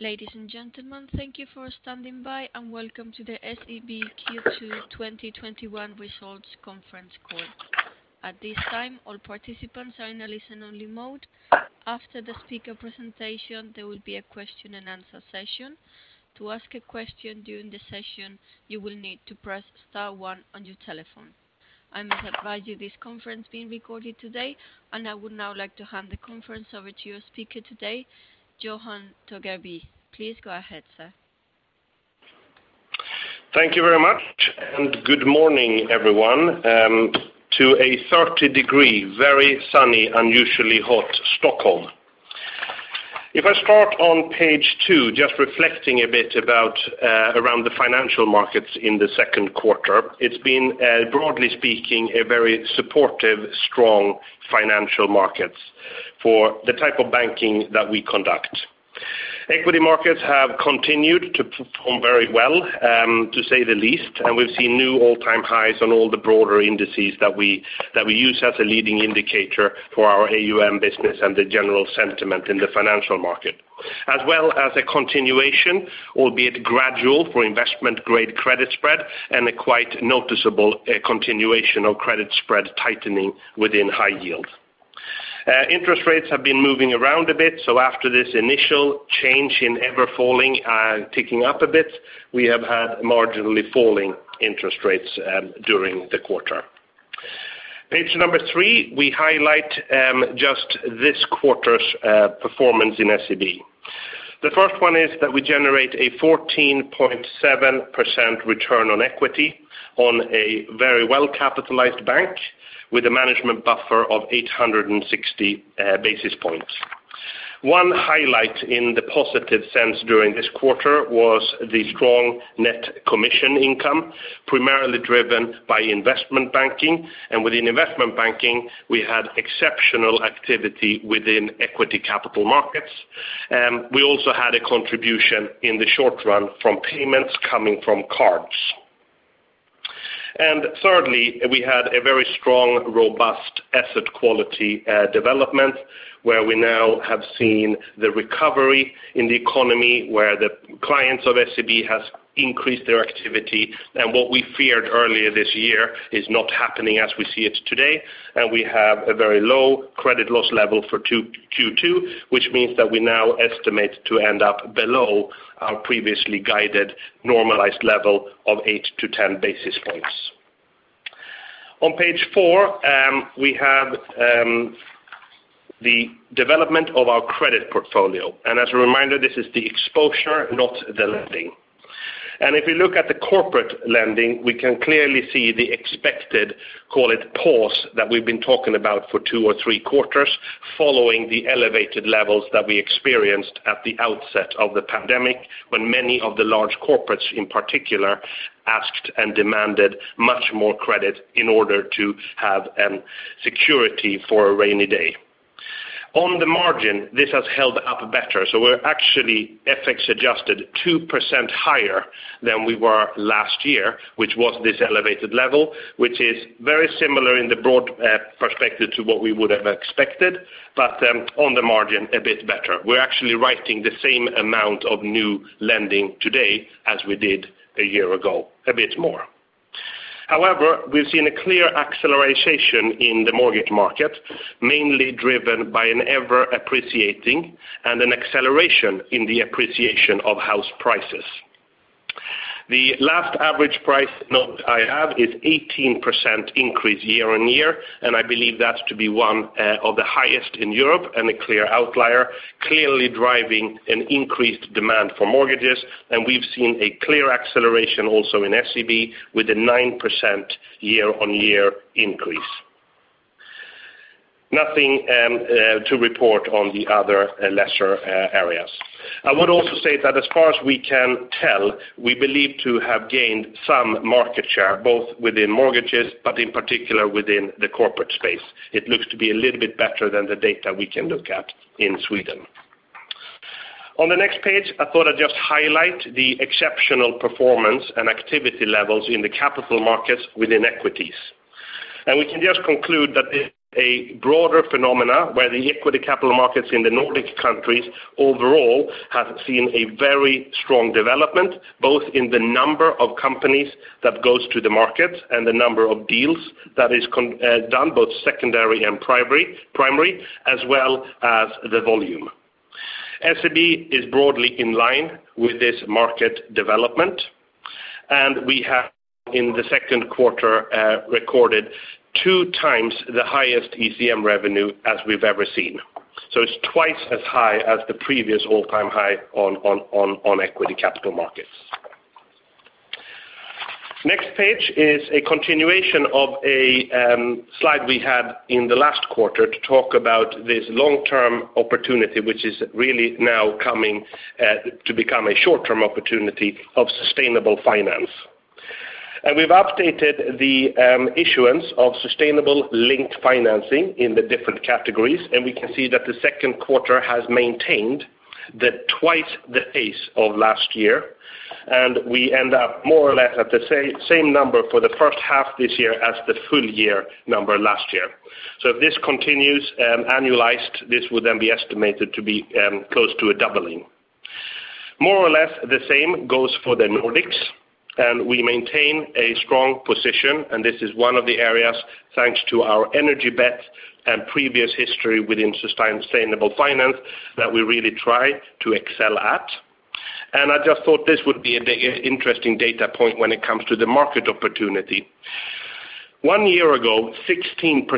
Ladies and gentlemen, thank you for standing by and welcome to the SEB Q2 2021 Results Conference Call. At this time, all participants are in a listen-only mode. After the speaker presentation, there will be a question and answer session. To ask a question during the session, you will need to press star one on your telephone. I'm going to advise you this conference is being recorded today, and I would now like to hand the conference over to your speaker today, Johan Torgeby. Please go ahead, sir. Thank you very much and good morning, everyone, to a 30 degree, very sunny, unusually hot Stockholm. If I start on page two, just reflecting a bit around the financial markets in the second quarter, it's been broadly speaking, a very supportive, strong financial market for the type of banking that we conduct. Equity markets have continued to perform very well, to say the least. We've seen new all-time highs on all the broader indices that we use as a leading indicator for our AUM business and the general sentiment in the financial market. As well as a continuation, albeit gradual, for investment-grade credit spread and a quite noticeable continuation of credit spread tightening within high yield. Interest rates have been moving around a bit. After this initial change in ever falling and ticking up a bit, we have had marginally falling interest rates during the quarter. Page number 3, we highlight just this quarter's performance in SEB. The first one is that we generate a 14.7% return on equity on a very well-capitalized bank with a management buffer of 860 basis points. One highlight in the positive sense during this quarter was the strong net commission income, primarily driven by investment banking, and within investment banking, we had exceptional activity within equity capital markets. We also had a contribution in the short run from payments coming from cards. Thirdly, we had a very strong, robust asset quality development, where we now have seen the recovery in the economy where the clients of SEB have increased their activity. What we feared earlier this year is not happening as we see it today, we have a very low credit loss level for Q2, which means that we now estimate to end up below our previously guided normalized level of 8-10 basis points. On page four, we have the development of our credit portfolio. As a reminder, this is the exposure, not the lending. If you look at the corporate lending, we can clearly see the expected, call it pause, that we've been talking about for two or three quarters following the elevated levels that we experienced at the outset of the pandemic when many of the large corporates in particular asked and demanded much more credit in order to have security for a rainy day. On the margin, this has held up better. We're actually FX adjusted 2% higher than we were last year, which was this elevated level, which is very similar in the broad perspective to what we would have expected, but on the margin a bit better. We're actually writing the same amount of new lending today as we did a year ago, a bit more. However, we've seen a clear acceleration in the mortgage market, mainly driven by an ever-appreciating and an acceleration in the appreciation of house prices. The last average price note I have is 18% increase year-on-year, and I believe that to be one of the highest in Europe and a clear outlier, clearly driving an increased demand for mortgages. We've seen a clear acceleration also in SEB with a 9% year-on-year increase. Nothing to report on the other lesser areas. I would also say that as far as we can tell, we believe to have gained some market share both within mortgages, but in particular within the corporate space. It looks to be a little bit better than the data we can look at in Sweden. On the next page, I thought I'd just highlight the exceptional performance and activity levels in the capital markets within equities. We can just conclude that this is a broader phenomena where the equity capital markets in the Nordic countries overall have seen a very strong development, both in the number of companies that goes to the market and the number of deals that is done, both secondary and primary, as well as the volume. SEB is broadly in line with this market development, and we have in the second quarter recorded two times the highest ECM revenue as we've ever seen. It's twice as high as the previous all-time high on equity capital markets. Next page is a continuation of a slide we had in the last quarter to talk about this long-term opportunity, which is really now coming to become a short-term opportunity of sustainable finance. We've updated the issuance of sustainable linked financing in the different categories, and we can see that the second quarter has maintained that twice the pace of last year, and we end up more or less at the same number for the first half of this year as the full year number last year. If this continues, annualized, this would then be estimated to be close to a doubling. More or less the same goes for the Nordics, and we maintain a strong position. This is one of the areas thanks to our energy bet and previous history within sustainable finance that we really try to excel at. I just thought this would be an interesting data point when it comes to the market opportunity. One year ago, 16%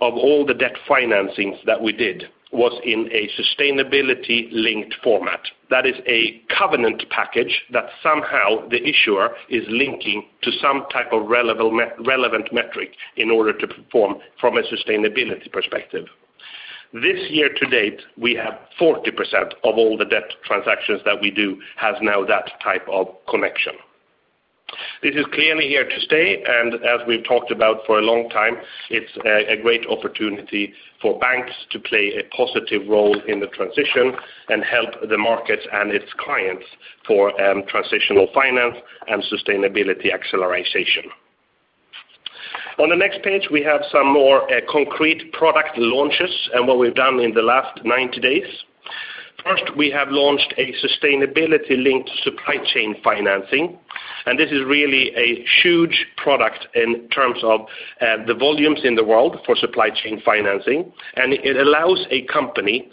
of all the debt financings that we did was in a sustainability-linked format. That is a covenant package that somehow the issuer is linking to some type of relevant metric in order to perform from a sustainability perspective. This year to date, we have 40% of all the debt transactions that we do have now that type of connection. This is clearly here to stay, and as we've talked about for a long time, it's a great opportunity for banks to play a positive role in the transition and help the market and its clients for transitional finance and sustainability acceleration. On the next page, we have some more concrete product launches and what we've done in the last 90 days. First, we have launched a sustainability-linked supply chain financing, this is really a huge product in terms of the volumes in the world for supply chain financing. It allows a company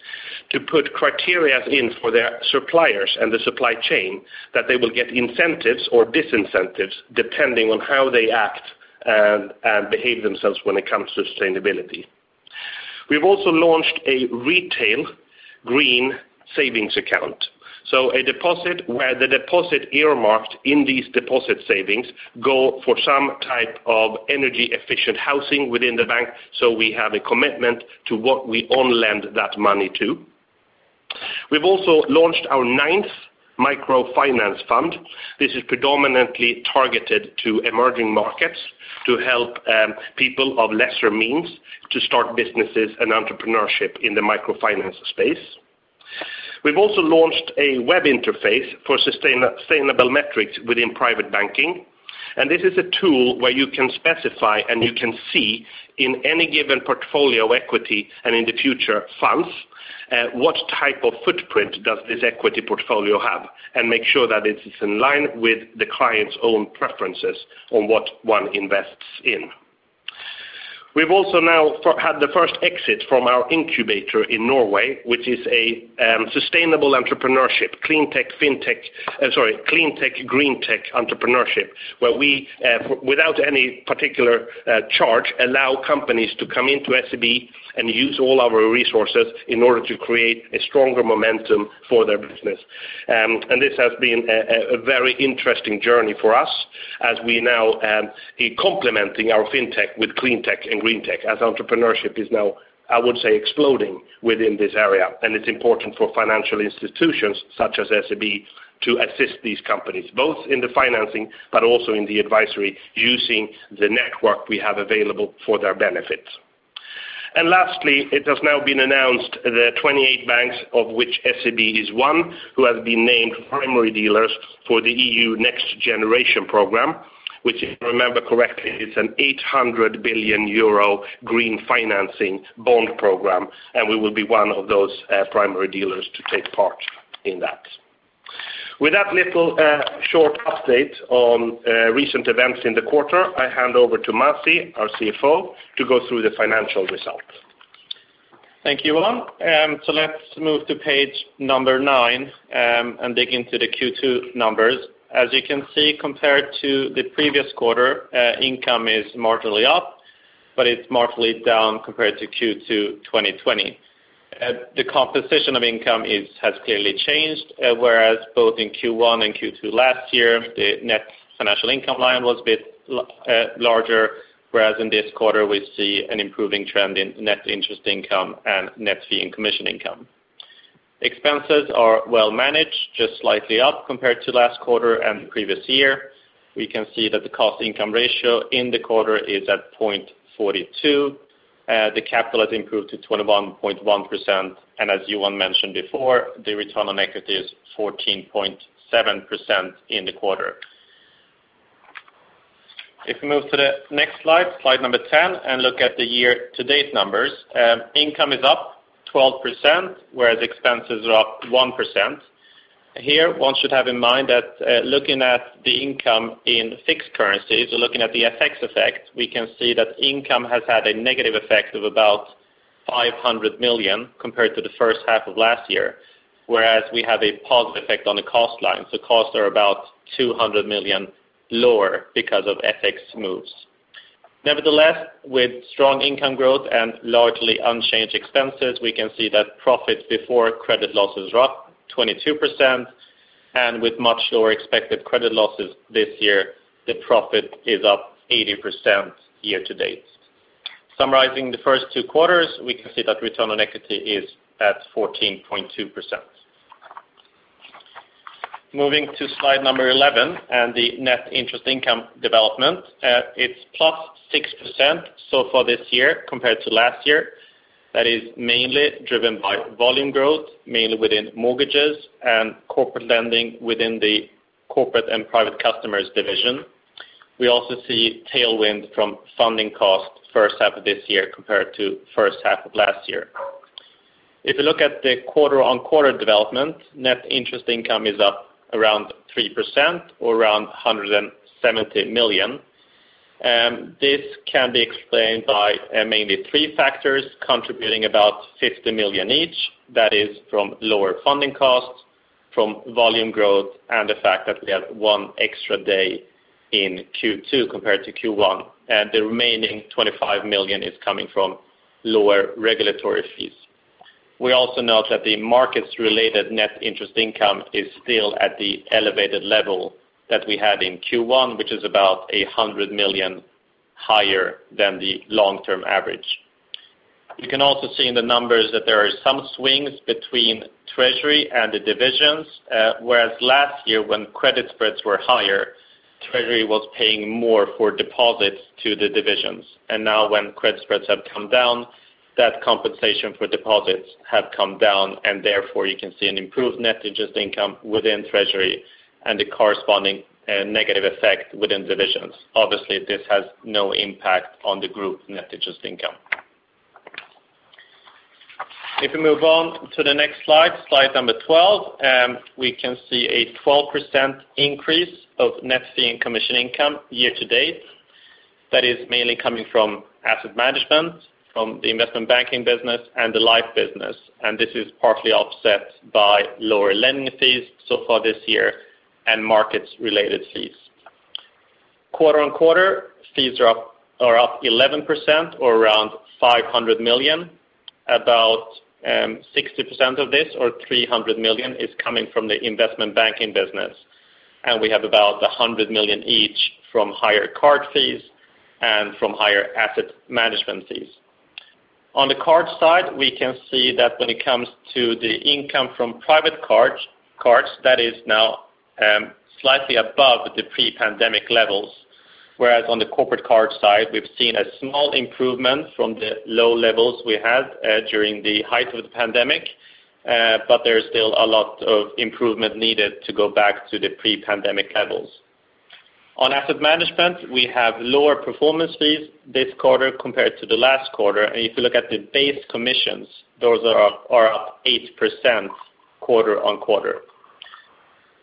to put criteria in for their suppliers and the supply chain that they will get incentives or disincentives depending on how they act and behave themselves when it comes to sustainability. We've also launched a retail green savings account, so a deposit where the deposit earmarked in these deposit savings go for some type of energy efficient housing within the bank. We have a commitment to what we on-lend that money to. We've also launched our ninth microfinance fund. This is predominantly targeted to emerging markets to help people of lesser means to start businesses and entrepreneurship in the microfinance space. We've also launched a web interface for sustainable metrics within private banking, and this is a tool where you can specify and you can see in any given portfolio equity and in the future funds, what type of footprint does this equity portfolio have and make sure that it is in line with the client's own preferences on what one invests in. We've also now had the first exit from our incubator in Norway, which is a sustainable entrepreneurship clean tech, green tech entrepreneurship, where we, without any particular charge, allow companies to come into SEB and use all our resources in order to create a stronger momentum for their business. This has been a very interesting journey for us as we now are complementing our fintech with clean tech and green tech as entrepreneurship is now, I would say, exploding within this area. It's important for financial institutions such as SEB to assist these companies, both in the financing but also in the advisory, using the network we have available for their benefit. Lastly, it has now been announced the 28 banks of which SEB is one who has been named primary dealers for the EU NextGenerationEU program, which if you remember correctly, is an 800 billion euro green financing bond program, and we will be one of those primary dealers to take part in that. With that little short update on recent events in the quarter, I hand over to Masih, our CFO, to go through the financial results. Thank you, Johan. Let's move to page number nine and dig into the Q2 numbers. As you can see, compared to the previous quarter, income is marginally up, but it's marginally down compared to Q2 2020. The composition of income has clearly changed, whereas both in Q1 and Q2 last year, the net financial income line was a bit larger, whereas in this quarter we see an improving trend in net interest income and net fee and commission income. Expenses are well managed, just slightly up compared to last quarter and the previous year. We can see that the cost income ratio in the quarter is at 0.42. The capital has improved to 21.1% and as Johan mentioned before, the return on equity is 14.7% in the quarter. If we move to the next slide number 10, and look at the year-to-date numbers. Income is up 12%, whereas expenses are up 1%. One should have in mind that looking at the income in fixed currency, looking at the FX effect, we can see that income has had a negative effect of about 500 million compared to the first half of last year. We have a positive effect on the cost line. Costs are about 200 million lower because of FX moves. With strong income growth and largely unchanged expenses, we can see that profits before credit losses are up 22%, and with much lower expected credit losses this year, the profit is up 80% year to date. Summarizing the first two quarters, we can see that return on equity is at 14.2%. Moving to slide 11 and the net interest income development. It's plus 6% so far this year compared to last year. That is mainly driven by volume growth, mainly within mortgages and corporate lending within the Corporate and Private Customers division. We also see tailwind from funding costs first half of this year compared to first half of last year. If you look at the quarter-on-quarter development, net interest income is up around 3% or around 170 million. This can be explained by mainly three factors contributing about 50 million each. That is from lower funding costs, from volume growth, and the fact that we had one extra day in Q2 compared to Q1. The remaining 25 million is coming from lower regulatory fees. We also note that the markets related net interest income is still at the elevated level that we had in Q1, which is about 100 million higher than the long-term average. You can also see in the numbers that there are some swings between treasury and the divisions. Whereas last year when credit spreads were higher, treasury was paying more for deposits to the divisions. Now when credit spreads have come down, that compensation for deposits have come down, and therefore you can see an improved net interest income within treasury and the corresponding negative effect within divisions. Obviously, this has no impact on the group net interest income. If we move on to the next slide number 12, we can see a 12% increase of net fee and commission income year-to-date. That is mainly coming from asset management, from the investment banking business, and the life business. This is partly offset by lower lending fees so far this year and markets related fees. Quarter-on-quarter, fees are up 11% or around 500 million. About 60% of this or 300 million is coming from the investment banking business. We have about 100 million each from higher card fees and from higher asset management fees. On the card side, we can see that when it comes to the income from private cards, that is now slightly above the pre-pandemic levels. Whereas on the corporate card side, we've seen a small improvement from the low levels we had during the height of the pandemic, but there is still a lot of improvement needed to go back to the pre-pandemic levels. On asset management, we have lower performance fees this quarter compared to the last quarter. If you look at the base commissions, those are up 8% quarter-over-quarter.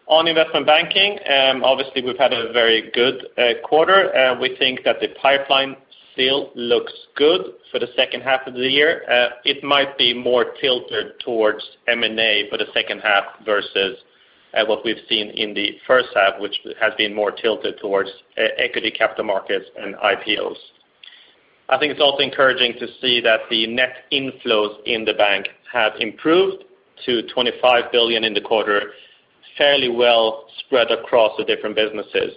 On investment banking, obviously we've had a very good quarter. We think that the pipeline still looks good for the second half of the year. It might be more tilted towards M&A for the second half versus what we've seen in the first half, which has been more tilted towards equity capital markets and IPOs. I think it's also encouraging to see that the net inflows in the bank have improved to 25 billion in the quarter, fairly well spread across the different businesses.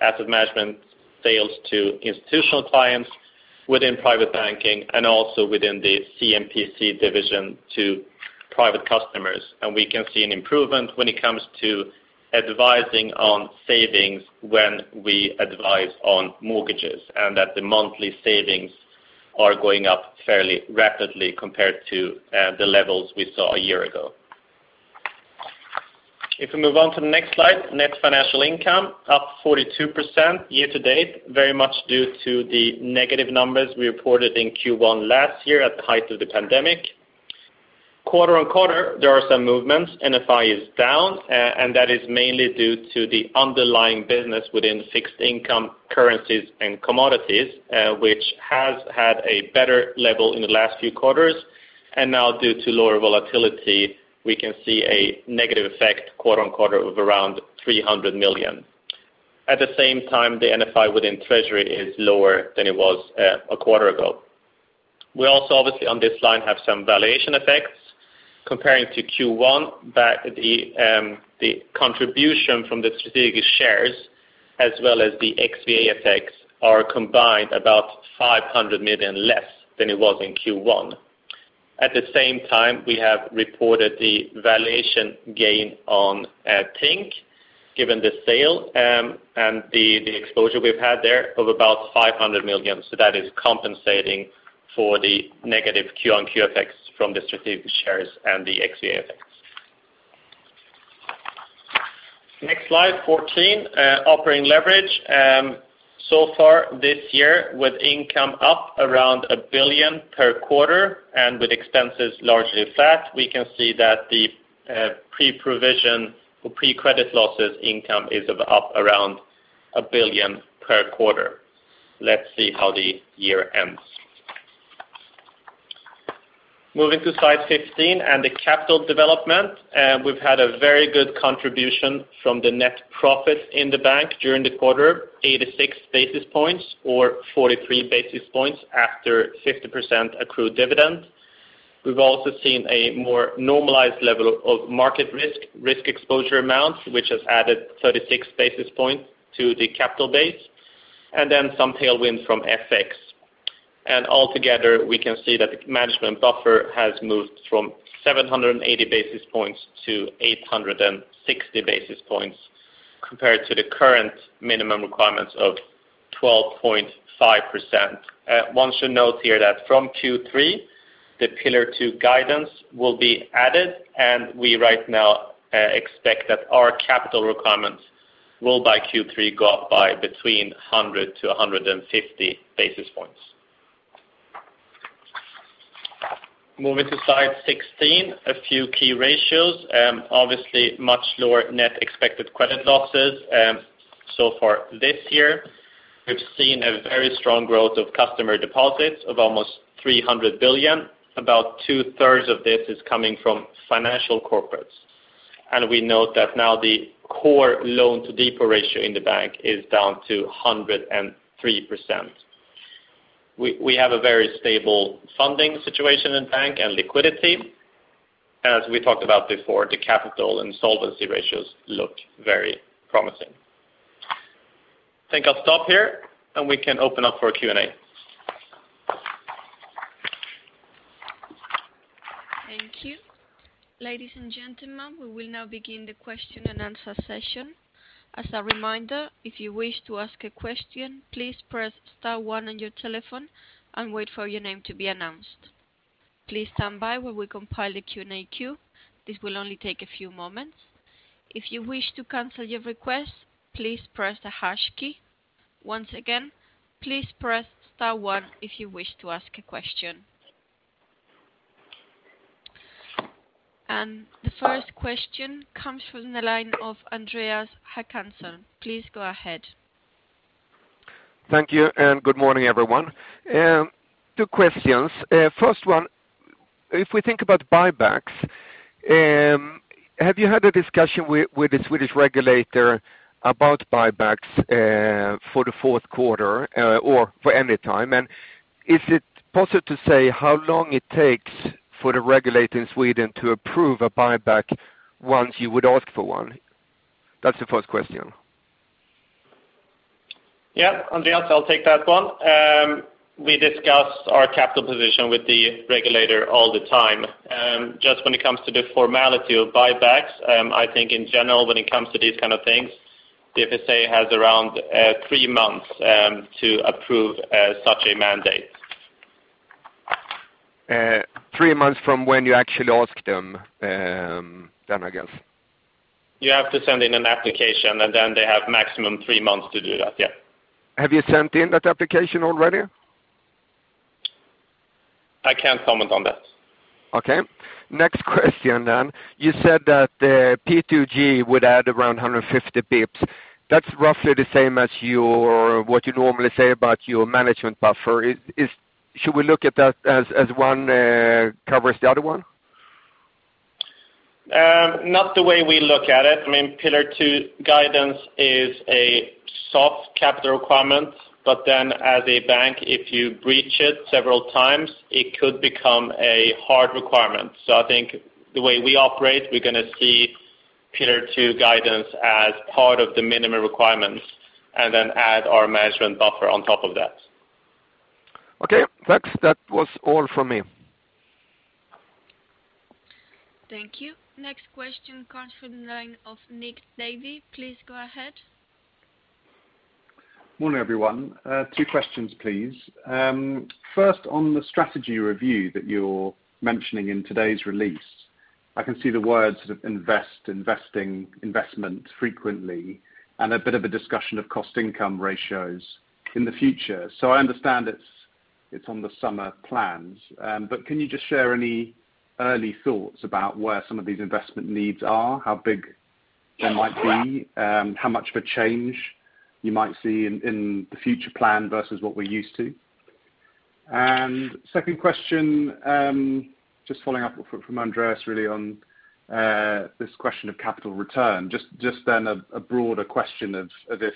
Asset management sales to institutional clients within private banking and also within the C&PC division to private customers. We can see an improvement when it comes to advising on savings when we advise on mortgages, and that the monthly savings are going up fairly rapidly compared to the levels we saw a year ago. If we move on to the next slide, net financial income up 42% year-to-date, very much due to the negative numbers we reported in Q1 last year at the height of the pandemic. Quarter-on-quarter, there are some movements. NFI is down, and that is mainly due to the underlying business within fixed income currencies and commodities, which has had a better level in the last few quarters. Now due to lower volatility, we can see a negative effect quarter-on-quarter of around 300 million. At the same time, the NFI within treasury is lower than it was a quarter ago. We also, obviously on this line, have some valuation effects comparing to Q1. The contribution from the strategic shares as well as the XVA effects are combined about 500 million less than it was in Q1. At the same time, we have reported the valuation gain on Tink, given the sale and the exposure we've had there of about 500 million. That is compensating for the negative quarter-on-quarter effects from the strategic shares and the XVA effects. Next slide, 14, operating leverage. So far this year, with income up around 1 billion per quarter and with expenses largely flat, we can see that the pre-provision or pre-credit losses income is up around 1 billion per quarter. Let's see how the year ends. Moving to slide 15 and the capital development. We've had a very good contribution from the net profit in the bank during the quarter, 86 basis points or 43 basis points after 50% accrued dividend. We've also seen a more normalized level of market risk exposure amounts, which has added 36 basis points to the capital base, some tailwind from FX. Altogether, we can see that the management buffer has moved from 780 basis points to 860 basis points compared to the current minimum requirements of 12.5%. One should note here that from Q3 the Pillar 2 guidance will be added, and we right now expect that our capital requirements will by Q3 go up by between 100 to 150 basis points. Moving to slide 16, a few key ratios. Obviously, much lower net expected credit losses. So far this year, we've seen a very strong growth of customer deposits of almost 300 billion. About 2/3 of this is coming from financial corporates. We note that now the core loan-to-deposit ratio in the bank is down to 103%. We have a very stable funding situation in the bank and liquidity. As we talked about before, the capital and solvency ratios look very promising. I think I'll stop here, and we can open up for Q&A. Thank you. Ladies and gentlemen, we will now begin the question and answer session. As a reminder, if you wish to ask a question, please press star one on your telephone and wait for your name to be announced. Please stand by while we compile the Q&A queue. This will only take a few moments. If you wish to cancel your request, please press the hash key. Once again, please press star one if you wish to ask a question. The first question comes from the line of Andreas Håkansson. Please go ahead. Thank you. Good morning, everyone. Two questions. First one, if we think about buybacks, have you had a discussion with the Swedish regulator about buybacks for the fourth quarter or for any time? Is it possible to say how long it takes for the regulator in Sweden to approve a buyback once you would ask for one? That's the first question. Yeah, Andreas, I'll take that one. We discuss our capital position with the regulator all the time. Just when it comes to the formality of buybacks, I think in general, when it comes to these kinds of things, the FSA has around three months to approve such a mandate. Three months from when you actually ask them then, I guess. You have to send in an application, and then they have a maximum of three months to do that. Yeah. Have you sent in that application already? I can't comment on that. Okay. Next question then. You said that the P2G would add around 150 basis points. That's roughly the same as what you normally say about your management buffer. Should we look at that as one covers the other one? Not the way we look at it. Pillar 2 guidance is a soft capital requirement, as a bank, if you breach it several times, it could become a hard requirement. I think the way we operate, we're going to see Pillar 2 guidance as part of the minimum requirements add our management buffer on top of that. Okay. Thanks. That was all from me. Thank you. Next question comes from the line of Nick Davey. Please go ahead. Morning, everyone. Two questions, please. First on the strategy review that you're mentioning in today's release. I can see the words invest, investing, investment frequently, and a bit of a discussion of cost-income ratios in the future. I understand it's on the summer plans. Can you just share any early thoughts about where some of these investment needs are, how big they might be, how much of a change you might see in the future plan versus what we're used to? Second question, just following up from Andreas really on this question of capital return. Just then a broader questiongfvb of if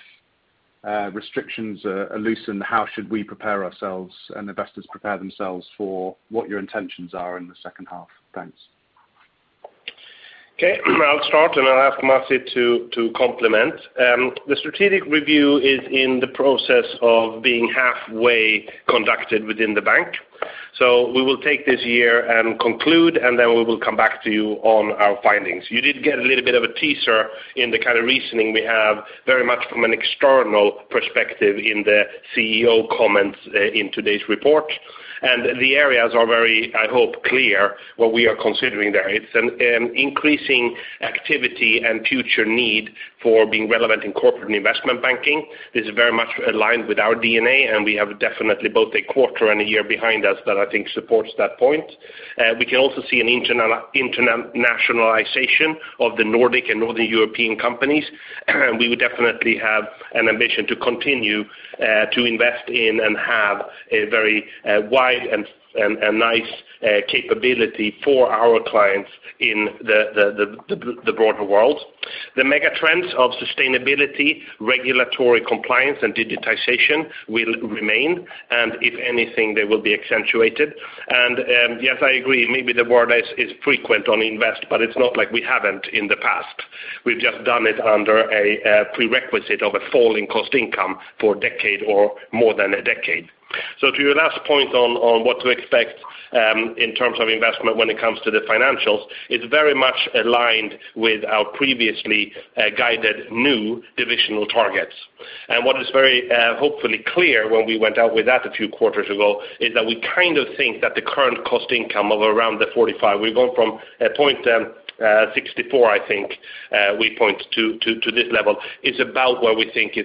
restrictions are loosened, how should we prepare ourselves and investors prepare themselves for what your intentions are in the second half? Thanks. Okay. I'll start, and I'll ask Masih to complement. The strategic review is in the process of being halfway conducted within the bank. We will take this year and conclude, and then we will come back to you on our findings. You did get a little bit of a teaser in the kind of reasoning we have very much from an external perspective in the CEO comments in today's report. The areas are very, I hope, clear what we are considering there. It's an increasing activity and future need for being relevant in corporate and investment banking. This is very much aligned with our DNA, and we have definitely both a quarter and a year behind us that I think supports that point. We can also see an internationalization of the Nordic and Northern European companies. We would definitely have an ambition to continue to invest in and have a very wide and nice capability for our clients in the broader world. The mega trends of sustainability, regulatory compliance, and digitization will remain, and if anything, they will be accentuated. Yes, I agree. Maybe the word is frequent on invest, but it's not like we haven't in the past. We've just done it under a prerequisite of a falling cost income for a decade or more than a decade. To your last point on what to expect in terms of investment when it comes to the financials, it's very much aligned with our previously guided new divisional targets. What is very hopefully clear when we went out with that a few quarters ago is that we think that the current cost income of around the 0.45, we've gone from a 0.64, I think, we point to this level. It's about where we think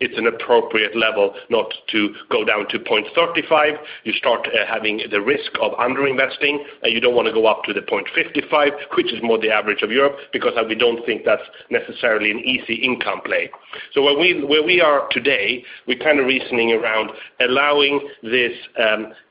it's an appropriate level not to go down to 0.35. You start having the risk of under-investing, and you don't want to go up to the 0.55, which is more the average of Europe, because we don't think that's necessarily an easy income play. Where we are today, we're reasoning around allowing this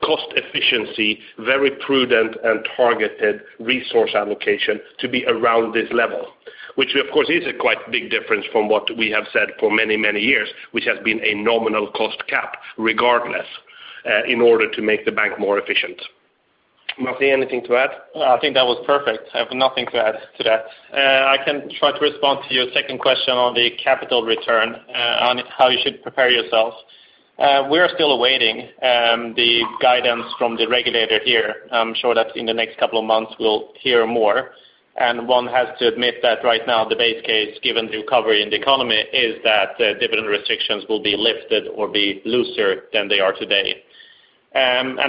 cost efficiency, very prudent, and targeted resource allocation to be around this level.1 23mq`1 Which, of course, is a quite big difference from what we have said for many years, which has been a nominal cost cap regardless, in order to make the bank more efficient. Masih, anything to add? I think that was perfect. I have nothing to add to that. I can try to respond to your second question on the capital return on how you should prepare yourself. We're still awaiting the guidance from the regulator here. I'm sure that in the next couple of months we'll hear more. One has to admit that right now the base case, given the recovery in the economy, is that dividend restrictions will be lifted or be looser than they are today.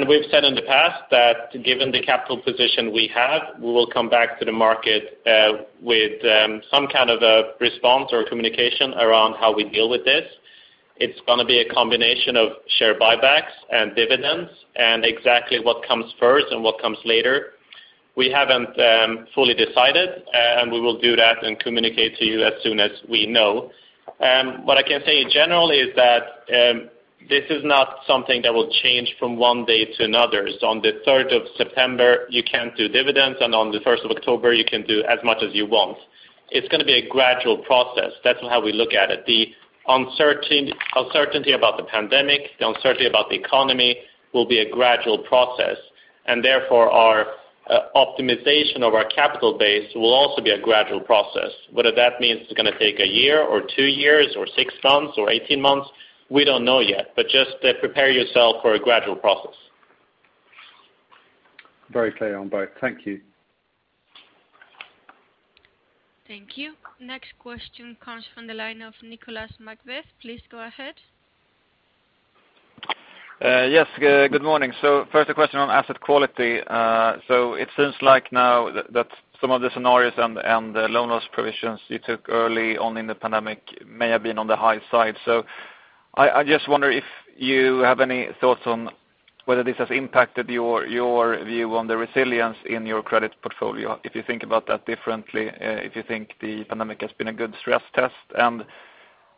We've said in the past that given the capital position we have, we will come back to the market with some kind of a response or communication around how we deal with this. It's going to be a combination of share buybacks and dividends, and exactly what comes first and what comes later, we haven't fully decided, and we will do that and communicate to you as soon as we know. What I can say generally is that this is not something that will change from one day to another. On the 3rd of September, you can't do dividends, and on the 1st of October, you can do as much as you want. It's going to be a gradual process. That's how we look at it. The uncertainty about the pandemic, the uncertainty about the economy will be a gradual process, and therefore our optimization of our capital base will also be a gradual process. Whether that means it's going to take a year or two years or six months or 18 months, we don't know yet, but just prepare yourself for a gradual process. Very clear on both. Thank you. Thank you. Next question comes from the line of Nicolas McBeath. Please go ahead. Yes, good morning. First a question on asset quality. It seems like now that some of the scenarios and the loan loss provisions you took early on in the pandemic may have been on the high side. I just wonder if you have any thoughts on whether this has impacted your view on the resilience in your credit portfolio. If you think about that differently, if you think the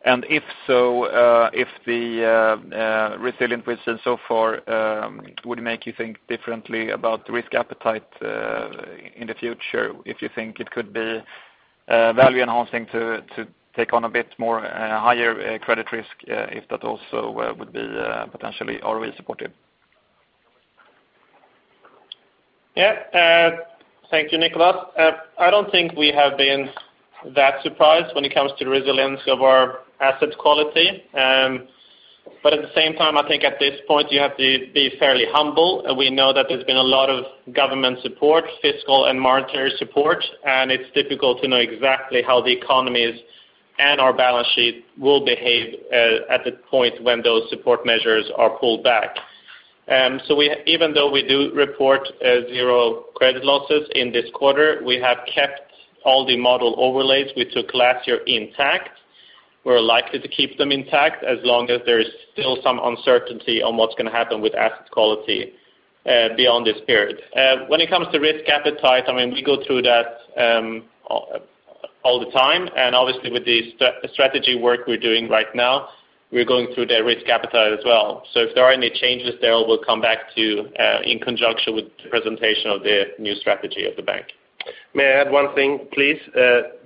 pandemic has been a good stress test. If so, if the resilience so far would make you think differently about risk appetite in the future, if you think it could be value enhancing to take on a bit more higher credit risk, if that also would be potentially already supported? Thank you, Nicolas. I don't think we have been that surprised when it comes to resilience of our asset quality. At the same time, I think at this point, you have to be fairly humble. We know that there's been a lot of government support, fiscal and monetary support, and it's difficult to know exactly how the economies and our balance sheet will behave at the point when those support measures are pulled back. Even though we do report 0 credit losses in this quarter, we have kept all the model overlays we took last year intact. We're likely to keep them intact as long as there's still some uncertainty on what's going to happen with asset quality beyond this period. When it comes to risk appetite, we go through that all the time, obviously with the strategy work we're doing right now, we're going through the risk appetite as well. If there are any changes there, we'll come back to you in conjunction with the presentation of the new strategy of the bank. May I add one thing, please?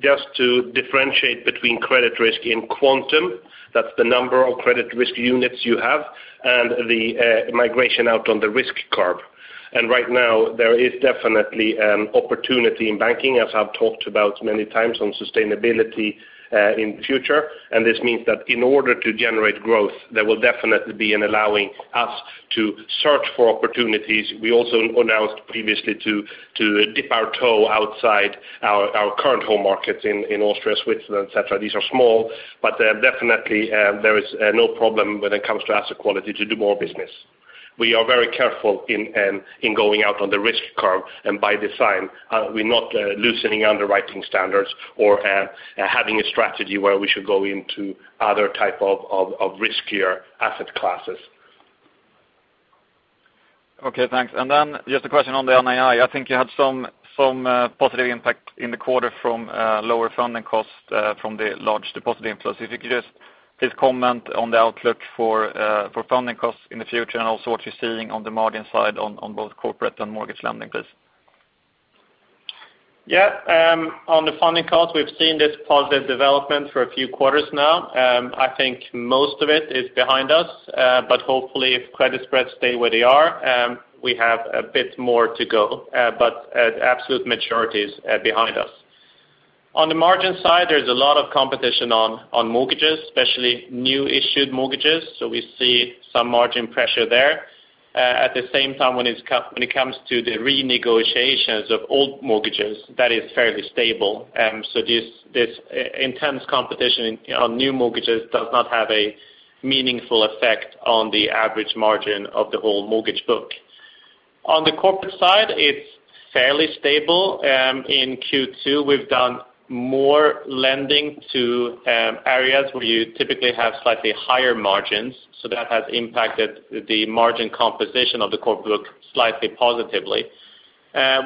Just to differentiate between credit risk and quantum, that's the number of credit risk units you have, and the migration out on the risk curve. Right now, there is definitely an opportunity in banking, as I've talked about many times, on sustainability in future. This means that in order to generate growth, there will definitely be an allowing us to search for opportunities. We also went out previously to dip our toe outside our current home markets in Austria, Switzerland, et cetera. These are small, but definitely there is no problem when it comes to asset quality to do more business. We are very careful in going out on the risk curve, and by design, we're not loosening underwriting standards or having a strategy where we should go into other type of riskier asset classes. Okay, thanks. Just a question on the NII. I think you had some positive impact in the quarter from lower funding costs from the large deposit inflows. If you could just please comment on the outlook for funding costs in the future and also what you're seeing on the margin side on both corporate and mortgage lending, please. Yeah. On the funding cost, we've seen this positive development for a few quarters now. I think most of it is behind us. Hopefully if credit spreads stay where they are, we have a bit more to go. At absolute majority is behind us. On the margin side, there's a lot of competition on mortgages, especially new issued mortgages. We see some margin pressure there. At the same time, when it comes to the renegotiations of old mortgages, that is fairly stable. This intense competition on new mortgages does not have a meaningful effect on the average margin of the whole mortgage book. On the corporate side, it's fairly stable. In Q2, we've done more lending to areas where you typically have slightly higher margins, so that has impacted the margin composition of the corporate book slightly positively.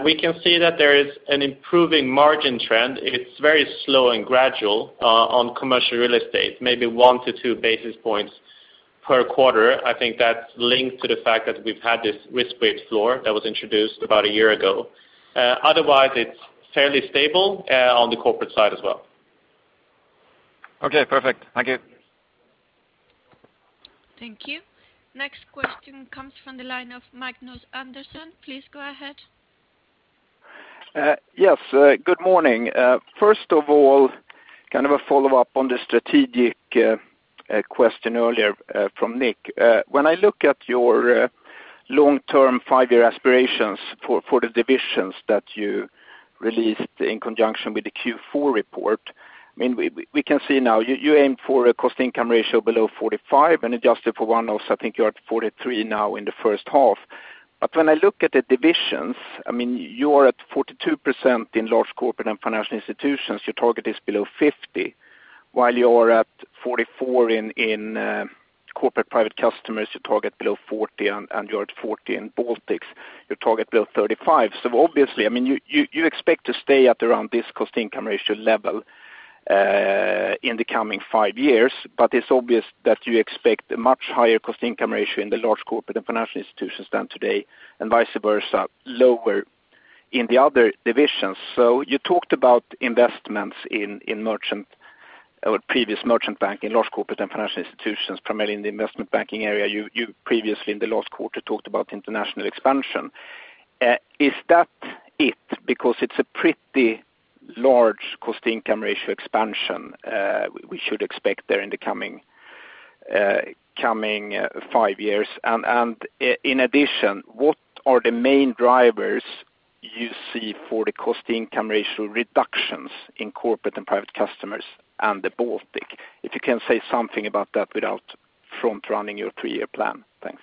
We can see that there is an improving margin trend. It's very slow and gradual on commercial real estate, maybe one to two basis points per quarter. I think that's linked to the fact that we've had this risk weight floor that was introduced about a year ago. Otherwise, it's fairly stable on the corporate side as well. Okay, perfect. Thank you. Thank you. Next question comes from the line of Magnus Andersson. Please go ahead. Yes. Good morning. First of all, a follow-up on the strategic question earlier from Nick. When I look at your long-term five-year aspirations for the divisions that you released in conjunction with the Q4 report. We can see now you aim for a cost-income ratio below 45% and adjusted for one-offs, I think you're at 43% now in the first half. When I look at the divisions, you are at 42% in Large Corporates & Financial Institutions. Your target is below 50%, while you are at 44% in Corporate and Private Customers, your target below 40%, and you're at 40% in Baltics, your target below 35%. Obviously, you expect to stay at around this cost-income ratio level in the coming five years. It's obvious that you expect a much higher cost-income ratio in the Large Corporates & Financial Institutions than today, and vice versa, lower in the other divisions. You talked about investments in previous Merchant Banking, Large Corporates & Financial Institutions, primarily in the investment banking area. You previously in the last quarter talked about international expansion. Is that it? It's a pretty large cost-income ratio expansion we should expect there in the coming five years. In addition, what are the main drivers you see for the cost-income ratio reductions in Corporate and Private Customers and the Baltic? If you can say something about that without front-running your three-year plan. Thanks.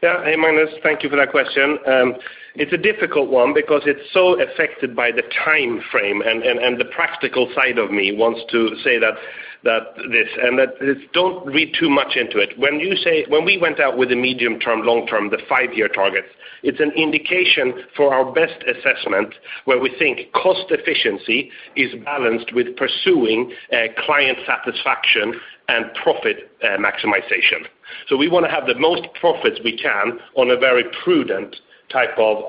Hey, Magnus. Thank you for that question. It's a difficult one because it's so affected by the time frame. The practical side of me wants to say this, and that is don't read too much into it. When we went out with the medium term, long term, the five-year target, it's an indication for our best assessment where we think cost efficiency is balanced with pursuing client satisfaction and profit maximization. We want to have the most profits we can on a very prudent type of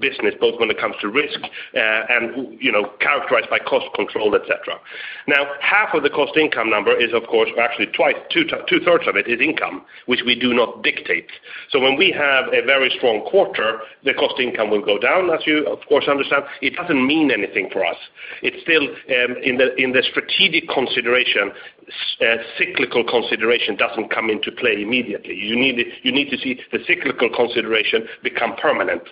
business, both when it comes to risk and characterized by cost control, et cetera. Half of the cost income number is, of course, or actually 2/3 of it is income, which we do not dictate. When we have a very strong quarter, the cost income will go down, as you of course understand. It doesn't mean anything for us. It's still in the strategic consideration. Cyclical consideration doesn't come into play immediately. You need to see the cyclical consideration become permanent.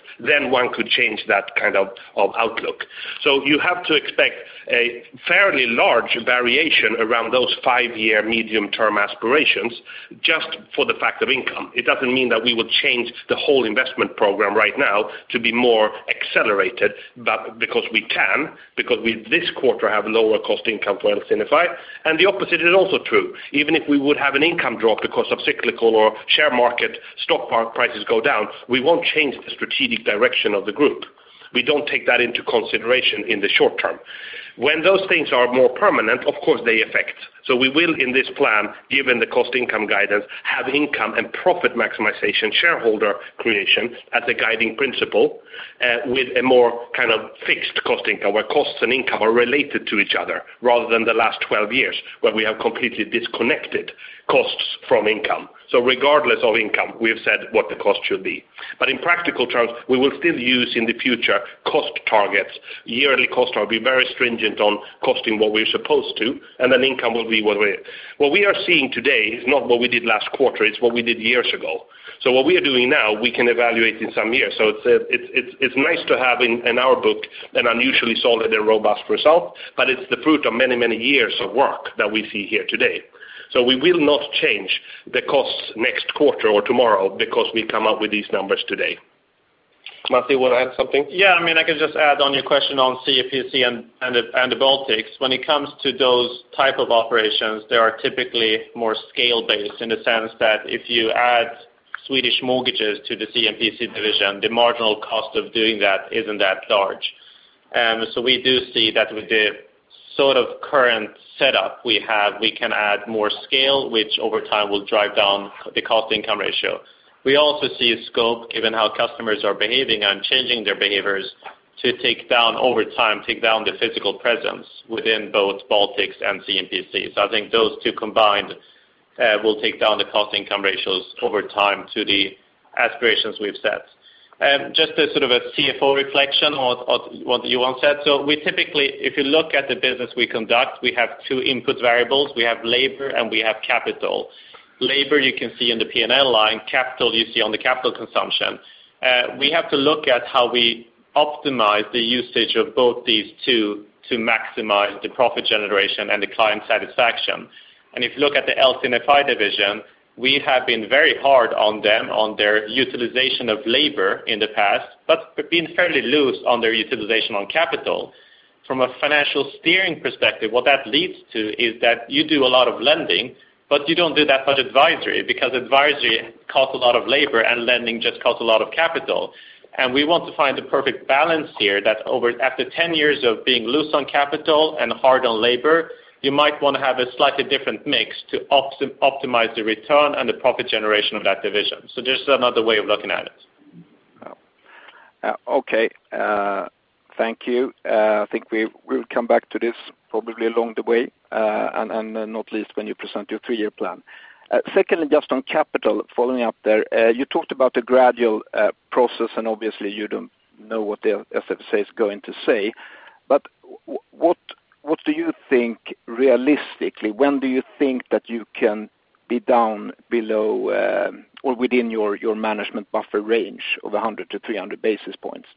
One could change that kind of outlook. You have to expect a fairly large variation around those five-year medium-term aspirations just for the fact of income. It doesn't mean that we would change the whole investment program right now to be more accelerated because we can, because this quarter have lower cost income for NFI. The opposite is also true. Even if we would have an income drop because of cyclical or share market stock prices go down, we won't change the strategic direction of the group. We don't take that into consideration in the short term. When those things are more permanent, of course, they affect. We will, in this plan, given the cost income guidance, have income and profit maximization shareholder creation as a guiding principle with a more fixed cost income, where costs and income are related to each other rather than the last 12 years where we have completely disconnected costs from income. Regardless of income, we have said what the cost should be. In practical terms, we will still use in the future cost targets, yearly cost target. Be very stringent on costing what we're supposed to, and then income will be what we're. What we are seeing today is not what we did last quarter. It's what we did years ago. What we are doing now, we can evaluate in some years. It's nice to have in our book an unusually solid and robust result, but it's the fruit of many, many years of work that we see here today. We will not change the costs next quarter or tomorrow because we come up with these numbers today. Masih, want to add something? Yeah, I can just add on your question on C&PC and the Baltics. When it comes to those type of operations, they are typically more scale-based in the sense that if you add Swedish mortgages to the C&PC division, the marginal cost of doing that isn't that large. We do see that with the current setup we have, we can add more scale, which over time will drive down the cost-income ratio. We also see a scope, given how customers are behaving and changing their behaviors to take down over time the physical presence within both Baltics and C&PC. I think those two combined will take down the cost-income ratios over time to the aspirations we've set. Just as sort of a CFO reflection on what Johan said. We typically, if you look at the business we conduct, we have 2 input variables. We have labor and we have capital. Labor you can see in the P&L line, capital you see on the capital consumption. We have to look at how we optimize the usage of both these two to maximize the profit generation and the client satisfaction. If you look at the LC&FI division, we have been very hard on them on their utilization of labor in the past, but been fairly loose on their utilization on capital. From a financial steering perspective, what that leads to is that you do a lot of lending, but you don't do that much advisory because advisory costs a lot of labor and lending just costs a lot of capital. We want to find the perfect balance here that after 10 years of being loose on capital and hard on labor, you might want to have a slightly different mix to optimize the return and the profit generation of that division. Just another way of looking at it. Okay. Thank you. I think we will come back to this probably along the way, and not least when you present your three-year plan. Secondly, just on capital, following up there, you talked about the gradual process, and obviously you don't know what the FSA is going to say, but what do you think realistically, when do you think that you can be down below or within your management buffer range of 100-300 basis points?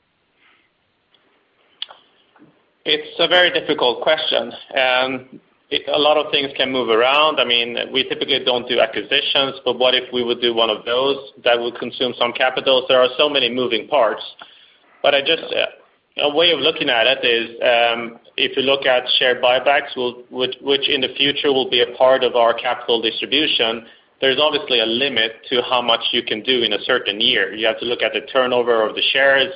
It's a very difficult question. A lot of things can move around. We typically don't do acquisitions, but what if we would do 1 of those? That would consume some capital. There are so many moving parts. A way of looking at it is, if you look at share buybacks, which in the future will be a part of our capital distribution, there's obviously a limit to how much you can do in a certain year. You have to look at the turnover of the shares.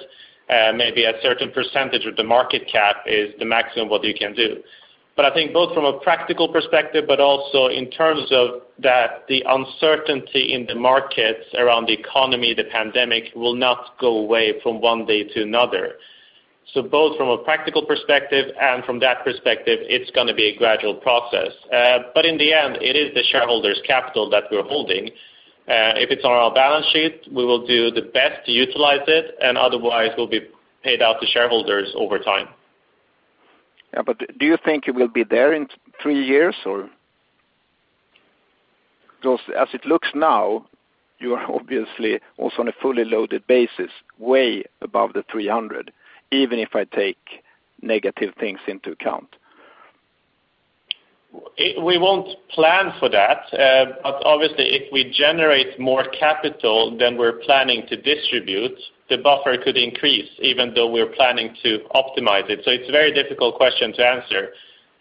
Maybe a certain percentage of the market cap is the maximum what you can do. I think both from a practical perspective, but also in terms of that the uncertainty in the markets around the economy, the pandemic will not go away from 1 day to another. Both from a practical perspective and from that perspective, it's going to be a gradual process. In the end, it is the shareholders' capital that we're holding. If it's on our balance sheet, we will do the best to utilize it, and otherwise will be paid out to shareholders over time. Do you think you will be there in three years, or because as it looks now, you are obviously also on a fully loaded basis, way above the 300, even if I take negative things into account? We won't plan for that. Obviously, if we generate more capital than we're planning to distribute, the buffer could increase, even though we're planning to optimize it. It's a very difficult question to answer.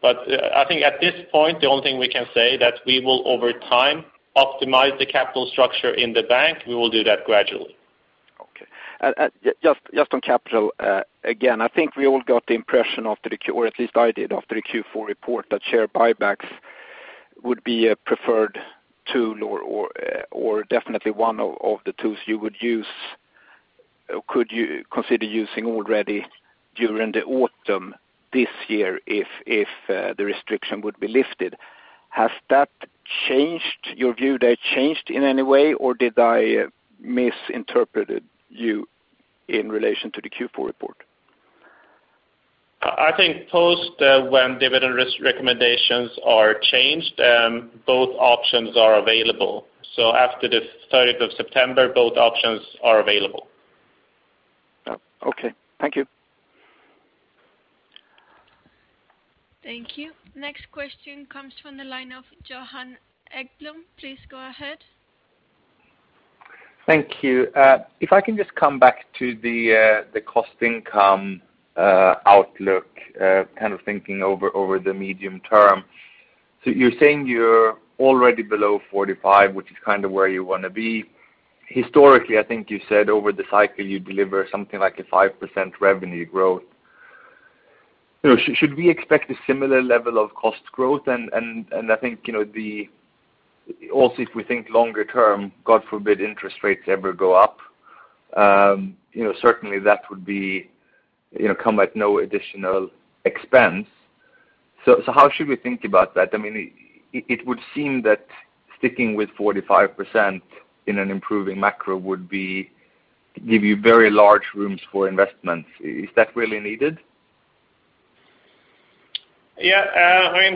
I think at this point, the only thing we can say is that we will over time optimize the capital structure in the bank. We will do that gradually. Okay. Just on capital, again, I think we all got the impression, or at least I did, after the Q4 report that share buybacks would be a preferred tool or definitely one of the tools you could consider using already during the autumn this year if the restriction would be lifted. Has your view there changed in any way, or did I misinterpret you in relation to the Q4 report? I think post when dividend recommendations are changed, both options are available. After the 30th of September, both options are available. Okay. Thank you. Thank you. Next question comes from the line of Johan Ekblom. Please go ahead. Thank you. If I can just come back to the cost income outlook, thinking over the medium term. You're saying you're already below 45%, which is where you want to be. Historically, I think you said over the cycle you deliver something like a 5% revenue growth. Should we expect a similar level of cost growth? I think, also if we think longer term, God forbid, interest rates ever go up, certainly that would come at no additional expense. How should we think about that? It would seem that sticking with 45% in an improving macro would give you very large rooms for investment. Is that really needed?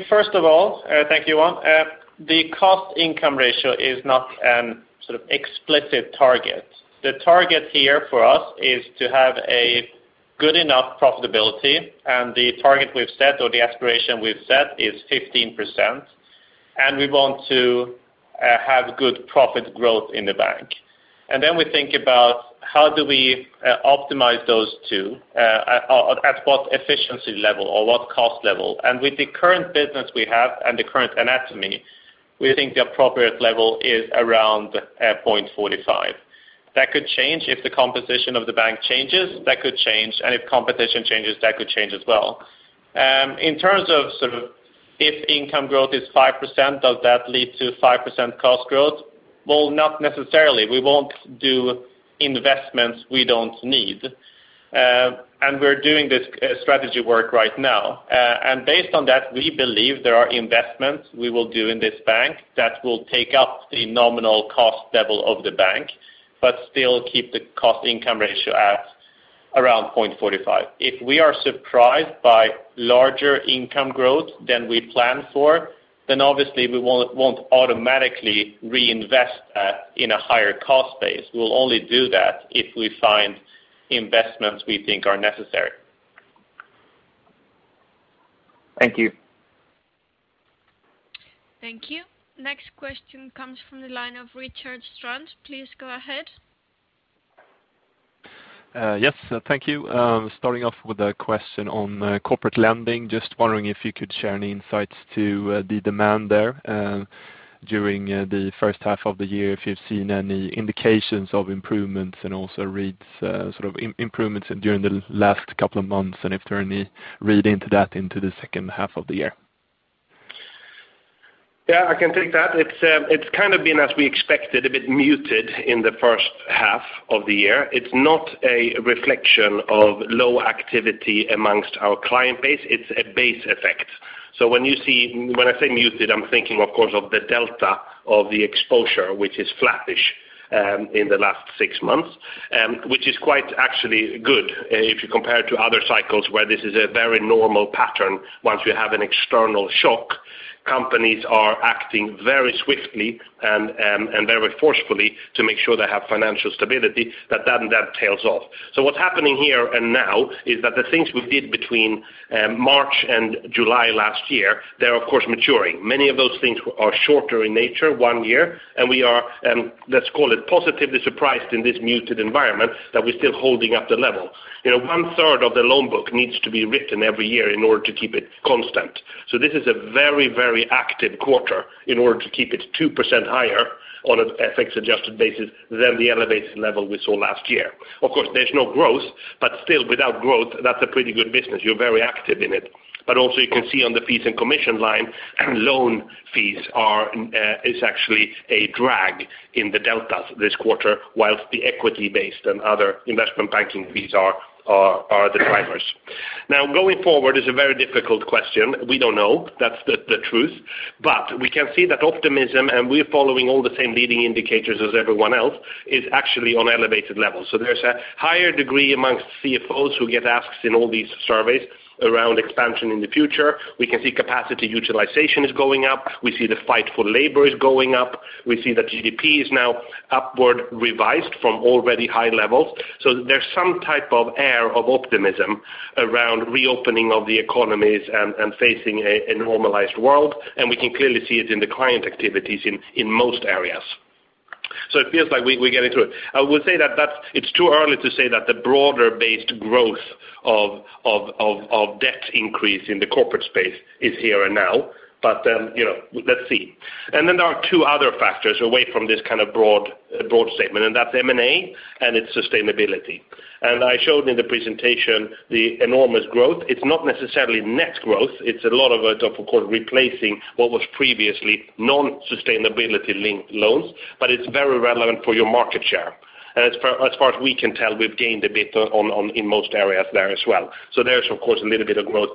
First of all, thank you, Johan. The cost-income ratio is not an explicit target. The target here for us is to have a good enough profitability, and the target we've set or the aspiration we've set is 15%, and we want to have good profit growth in the bank. Then we think about how do we optimize those two at what efficiency level or what cost level. With the current business we have and the current anatomy, we think the appropriate level is around 0.45. That could change if the composition of the bank changes, that could change. If competition changes, that could change as well. In terms of if income growth is 5%, does that lead to 5% cost growth? Not necessarily. We won't do investments we don't need. We're doing this strategy work right now. Based on that, we believe there are investments we will do in this bank that will take up the nominal cost level of the bank, but still keep the cost-income ratio at around 0.45. If we are surprised by larger income growth than we planned for, then obviously we won't automatically reinvest in a higher cost base. We'll only do that if we find investments we think are necessary. Thank you. Thank you. Next question comes from the line of Rickard Strand. Please go ahead. Yes, thank you. Starting off with a question on corporate lending. Just wondering if you could share any insights to the demand there during the first half of the year, if you've seen any indications of improvements, and also reads improvements during the last couple of months, and if there are any read into that into the second half of the year. Yeah, I can take that. It's been as we expected, a bit muted in the first half of the year. It's not a reflection of low activity amongst our client base. It's a base effect. When I say muted, I'm thinking, of course, of the delta of the exposure, which is flattish in the last six months, which is quite actually good if you compare it to other cycles where this is a very normal pattern. Once you have an external shock, companies are acting very swiftly and very forcefully to make sure they have financial stability that then tails off. What's happening here and now is that the things we did between March and July last year, they're of course maturing. Many of those things are shorter in nature, one year, and we are, let's call it positively surprised in this muted environment that we're still holding up the level. 1/3 of the loan book needs to be written every year in order to keep it constant. This is a very active quarter in order to keep it 2% higher on an FX-adjusted basis than the elevated level we saw last year. Of course, there's no growth, but still without growth, that's a pretty good business. You're very active in it. Also you can see on the fees and commission line, loan fees is actually a drag in the deltas this quarter, whilst the equity-based and other investment banking fees are the drivers. Now, going forward is a very difficult question. We don't know. That's the truth. We can see that optimism, and we're following all the same leading indicators as everyone else, is actually on elevated levels. There's a higher degree amongst CFOs who get asked in all these surveys around expansion in the future. We can see capacity utilization is going up. We see the fight for labor is going up. We see that GDP is now upward revised from already high levels. There's some type of air of optimism around reopening of the economies and facing a normalized world, and we can clearly see it in the client activities in most areas. It feels like we're getting through it. I would say that it's too early to say that the broader-based growth of debt increase in the corporate space is here and now, but let's see. There are two other factors away from this kind of broad statement, and that's M&A and its sustainability. I showed in the presentation the enormous growth. It's not necessarily net growth. It's a lot of course, replacing what was previously non-sustainability-linked loans, but it's very relevant for your market share. As far as we can tell, we've gained a bit in most areas there as well. There's of course, a little bit of growth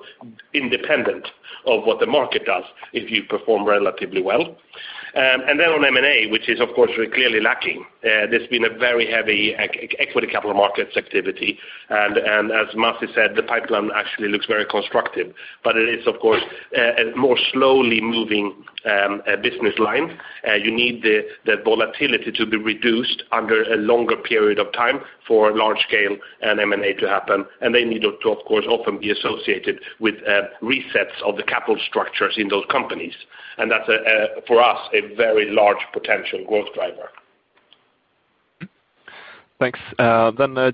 independent of what the market does if you perform relatively well. On M&A, which is of course, we're clearly lacking. There's been a very heavy equity capital markets activity. As Masih said, the pipeline actually looks very constructive. It is, of course, a more slowly moving business line. You need the volatility to be reduced under a longer period of time for large scale M&A to happen. They need to, of course, often be associated with resets of the capital structures in those companies. That's, for us, a very large potential growth driver. Thanks.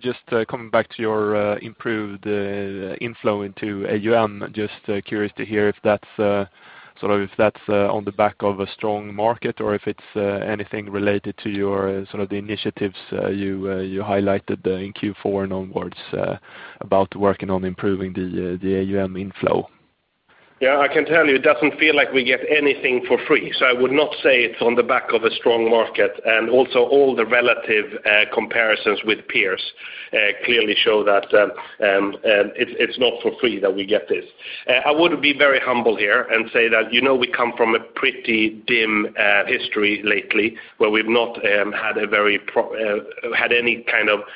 Just coming back to your improved inflow into AUM, just curious to hear if that's on the back of a strong market or if it's anything related to your initiatives you highlighted in Q4 and onwards about working on improving the AUM inflow. Yeah, I can tell you it doesn't feel like we get anything for free. I would not say it's on the back of a strong market. Also all the relative comparisons with peers clearly show that it's not for free that we get this. I would be very humble here and say that we come from a pretty dim history lately where we've not had any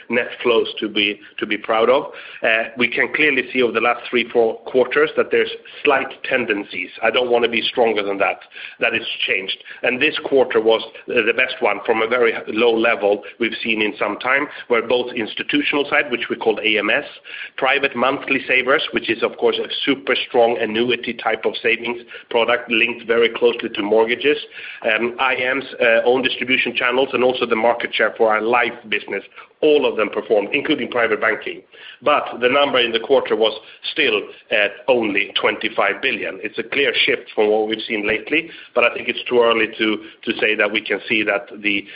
net flows to be proud of. We can clearly see over the last three, four quarters that there's slight tendencies. I don't want to be stronger than that it's changed. This quarter was the best one from a very low level we've seen in some time where both institutional side, which we call AMS, private monthly savers, which is of course a super strong annuity type of savings product linked very closely to mortgages, IM's own distribution channels, and also the market share for our life business. All of them performed, including private banking. The number in the quarter was still at only 25 billion. It's a clear shift from what we've seen lately, but I think it's too early to say that we can see that the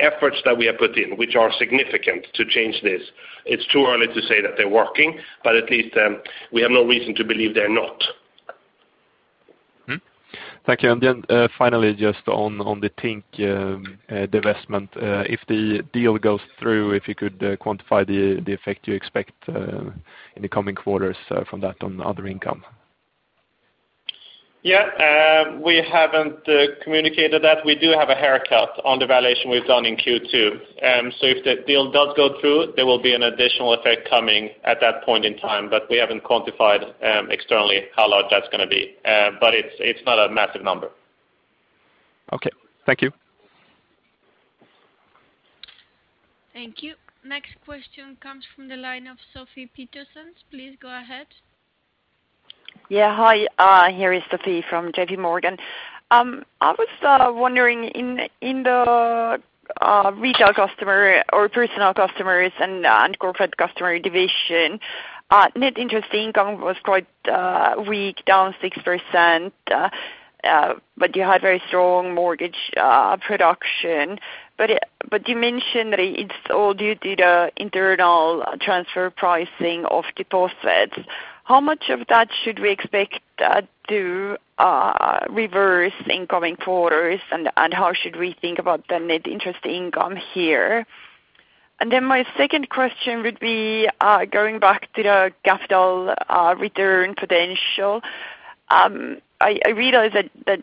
efforts that we have put in, which are significant to change this, it's too early to say that they're working, but at least we have no reason to believe they're not. Thank you. Finally, just on the Tink divestment if the deal goes through, if you could quantify the effect you expect in the coming quarters from that on other income. Yes, we haven't communicated that. We do have a haircut on the valuation we've done in Q2. If the deal does go through, there will be an additional effect coming at that point in time, but we haven't quantified externally how large that's going to be. It's not a massive number. Okay. Thank you. Thank you. Next question comes from the line of Sofie Peterzens. Please go ahead. Hi, here is Sofie from JPMorgan. I was wondering in the retail customer or personal customers and corporate customer division net interest income was quite weak, down 6%, but you had very strong mortgage production. You mentioned that it's all due to the internal transfer pricing of deposits. How much of that should we expect that to reverse in coming quarters? How should we think about the net interest income here? My second question would be going back to the capital return potential. I realize that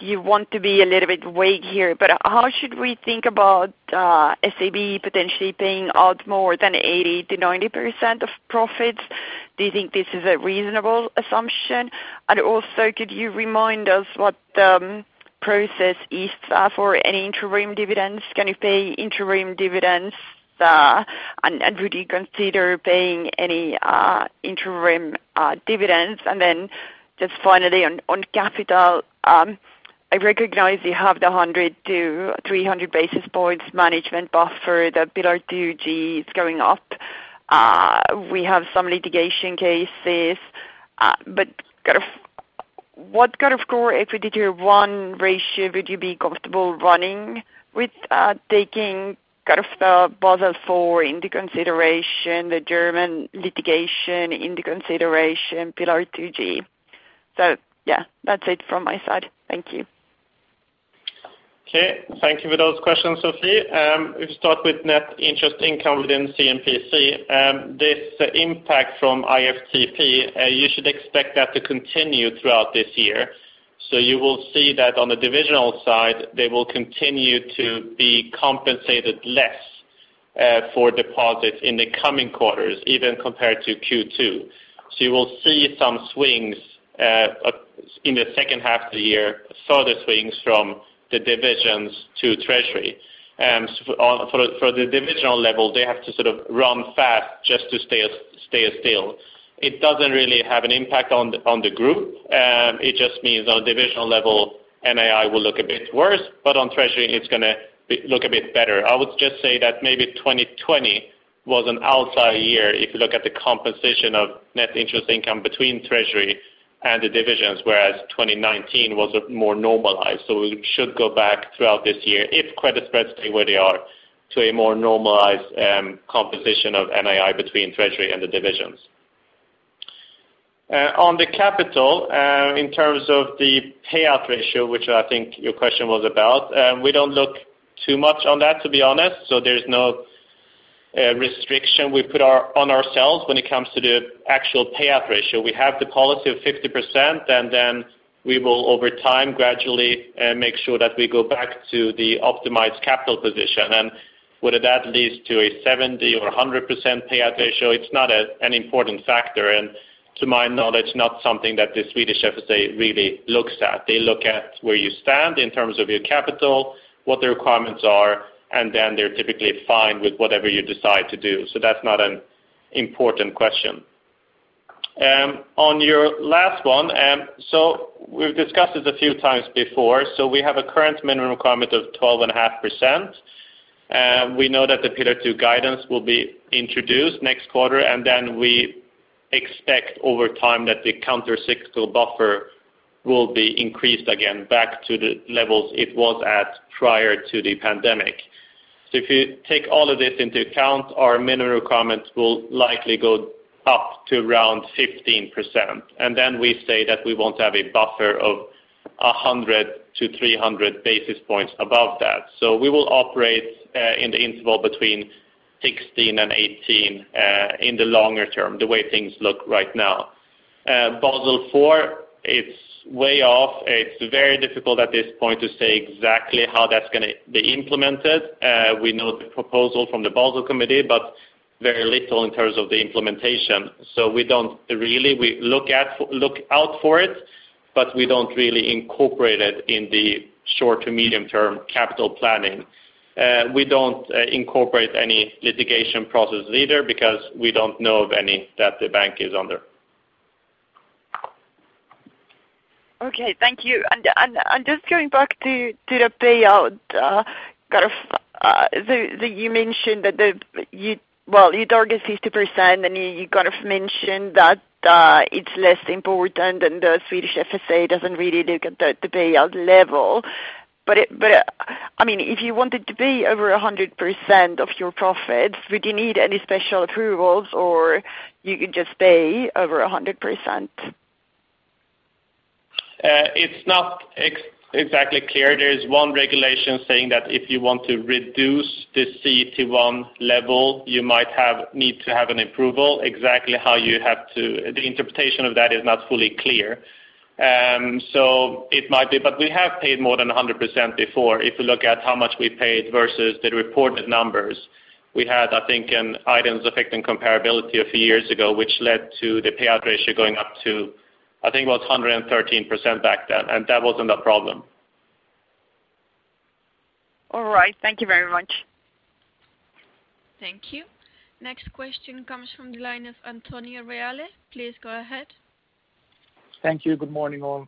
you want to be a little bit vague here, how should we think about SEB potentially paying out more than 80%-90% of profits? Do you think this is a reasonable assumption? Could you remind us what the process is for any interim dividends? Would you consider paying any interim dividends? Just finally on capital, I recognize you have the 100-300 basis points management buffer, the Pillar 2 going up. We have some litigation cases, but what kind of core equity Tier 1 ratio would you be comfortable running with taking the Basel IV into consideration, the German litigation into consideration, Pillar 2? That's it from my side. Thank you. Okay. Thank you for those questions, Sofie. If you start with net interest income within C&PC, this impact from IFTP, you should expect that to continue throughout this year. You will see that on the divisional side, they will continue to be compensated less for deposits in the coming quarters even compared to Q2. You will see some swings in the second half of the year, further swings from the divisions to treasury. For the divisional level, they have to sort of run fast just to stay still. It doesn't really have an impact on the group. It just means on divisional level, NII will look a bit worse, but on treasury it's going to look a bit better. I would just say that maybe 2020 was an outside year if you look at the composition of net interest income between treasury and the divisions, whereas 2019 was more normalized. We should go back throughout this year if credit spreads stay where they are to a more normalized composition of NII between treasury and the divisions. On the capital in terms of the payout ratio, which I think your question was about. We don't look too much on that, to be honest. There's no restriction we put on ourselves when it comes to the actual payout ratio. We have the policy of 50%, and then we will over time gradually make sure that we go back to the optimized capital position. Whether that leads to a 70% or 100% payout ratio, it's not an important factor and to my knowledge, not something that the Swedish FSA really looks at. They look at where you stand in terms of your capital, what the requirements are, and then they're typically fine with whatever you decide to do. That's not an important question. On your last one, so we've discussed this a few times before. We have a current minimum requirement of 12.5%. We know that the Pillar 2 guidance will be introduced next quarter, and then we expect over time that the counter-cyclical buffer will be increased again back to the levels it was at prior to the pandemic. If you take all of this into account, our minimum requirements will likely go up to around 15%, and then we say that we want to have a buffer of 100-300 basis points above that. We will operate in the interval between 16 and 18 in the longer term, the way things look right now. Basel IV, it's way off. It's very difficult at this point to say exactly how that's going to be implemented. We know the proposal from the Basel Committee, but very little in terms of the implementation. We look out for it, but we don't really incorporate it in the short to medium-term capital planning. We don't incorporate any litigation process either because we don't know of any that the bank is under. Okay. Thank you. Just going back to the payout, you mentioned that you target 50% and you mentioned that it's less important and the Swedish FSA doesn't really look at the payout level. If you wanted to pay over 100% of your profits, would you need any special approvals or you could just pay over 100%? It's not exactly clear. There is one regulation saying that if you want to reduce the CET1 level, you might need to have an approval. The interpretation of that is not fully clear. It might be, but we have paid more than 100% before. If you look at how much we paid versus the reported numbers, we had, I think, an items affecting comparability a few years ago, which led to the payout ratio going up to, I think it was 113% back then. That wasn't a problem. All right. Thank you very much. Thank you. Next question comes from the line of Antonio Reale. Please go ahead. Thank you. Good morning, all.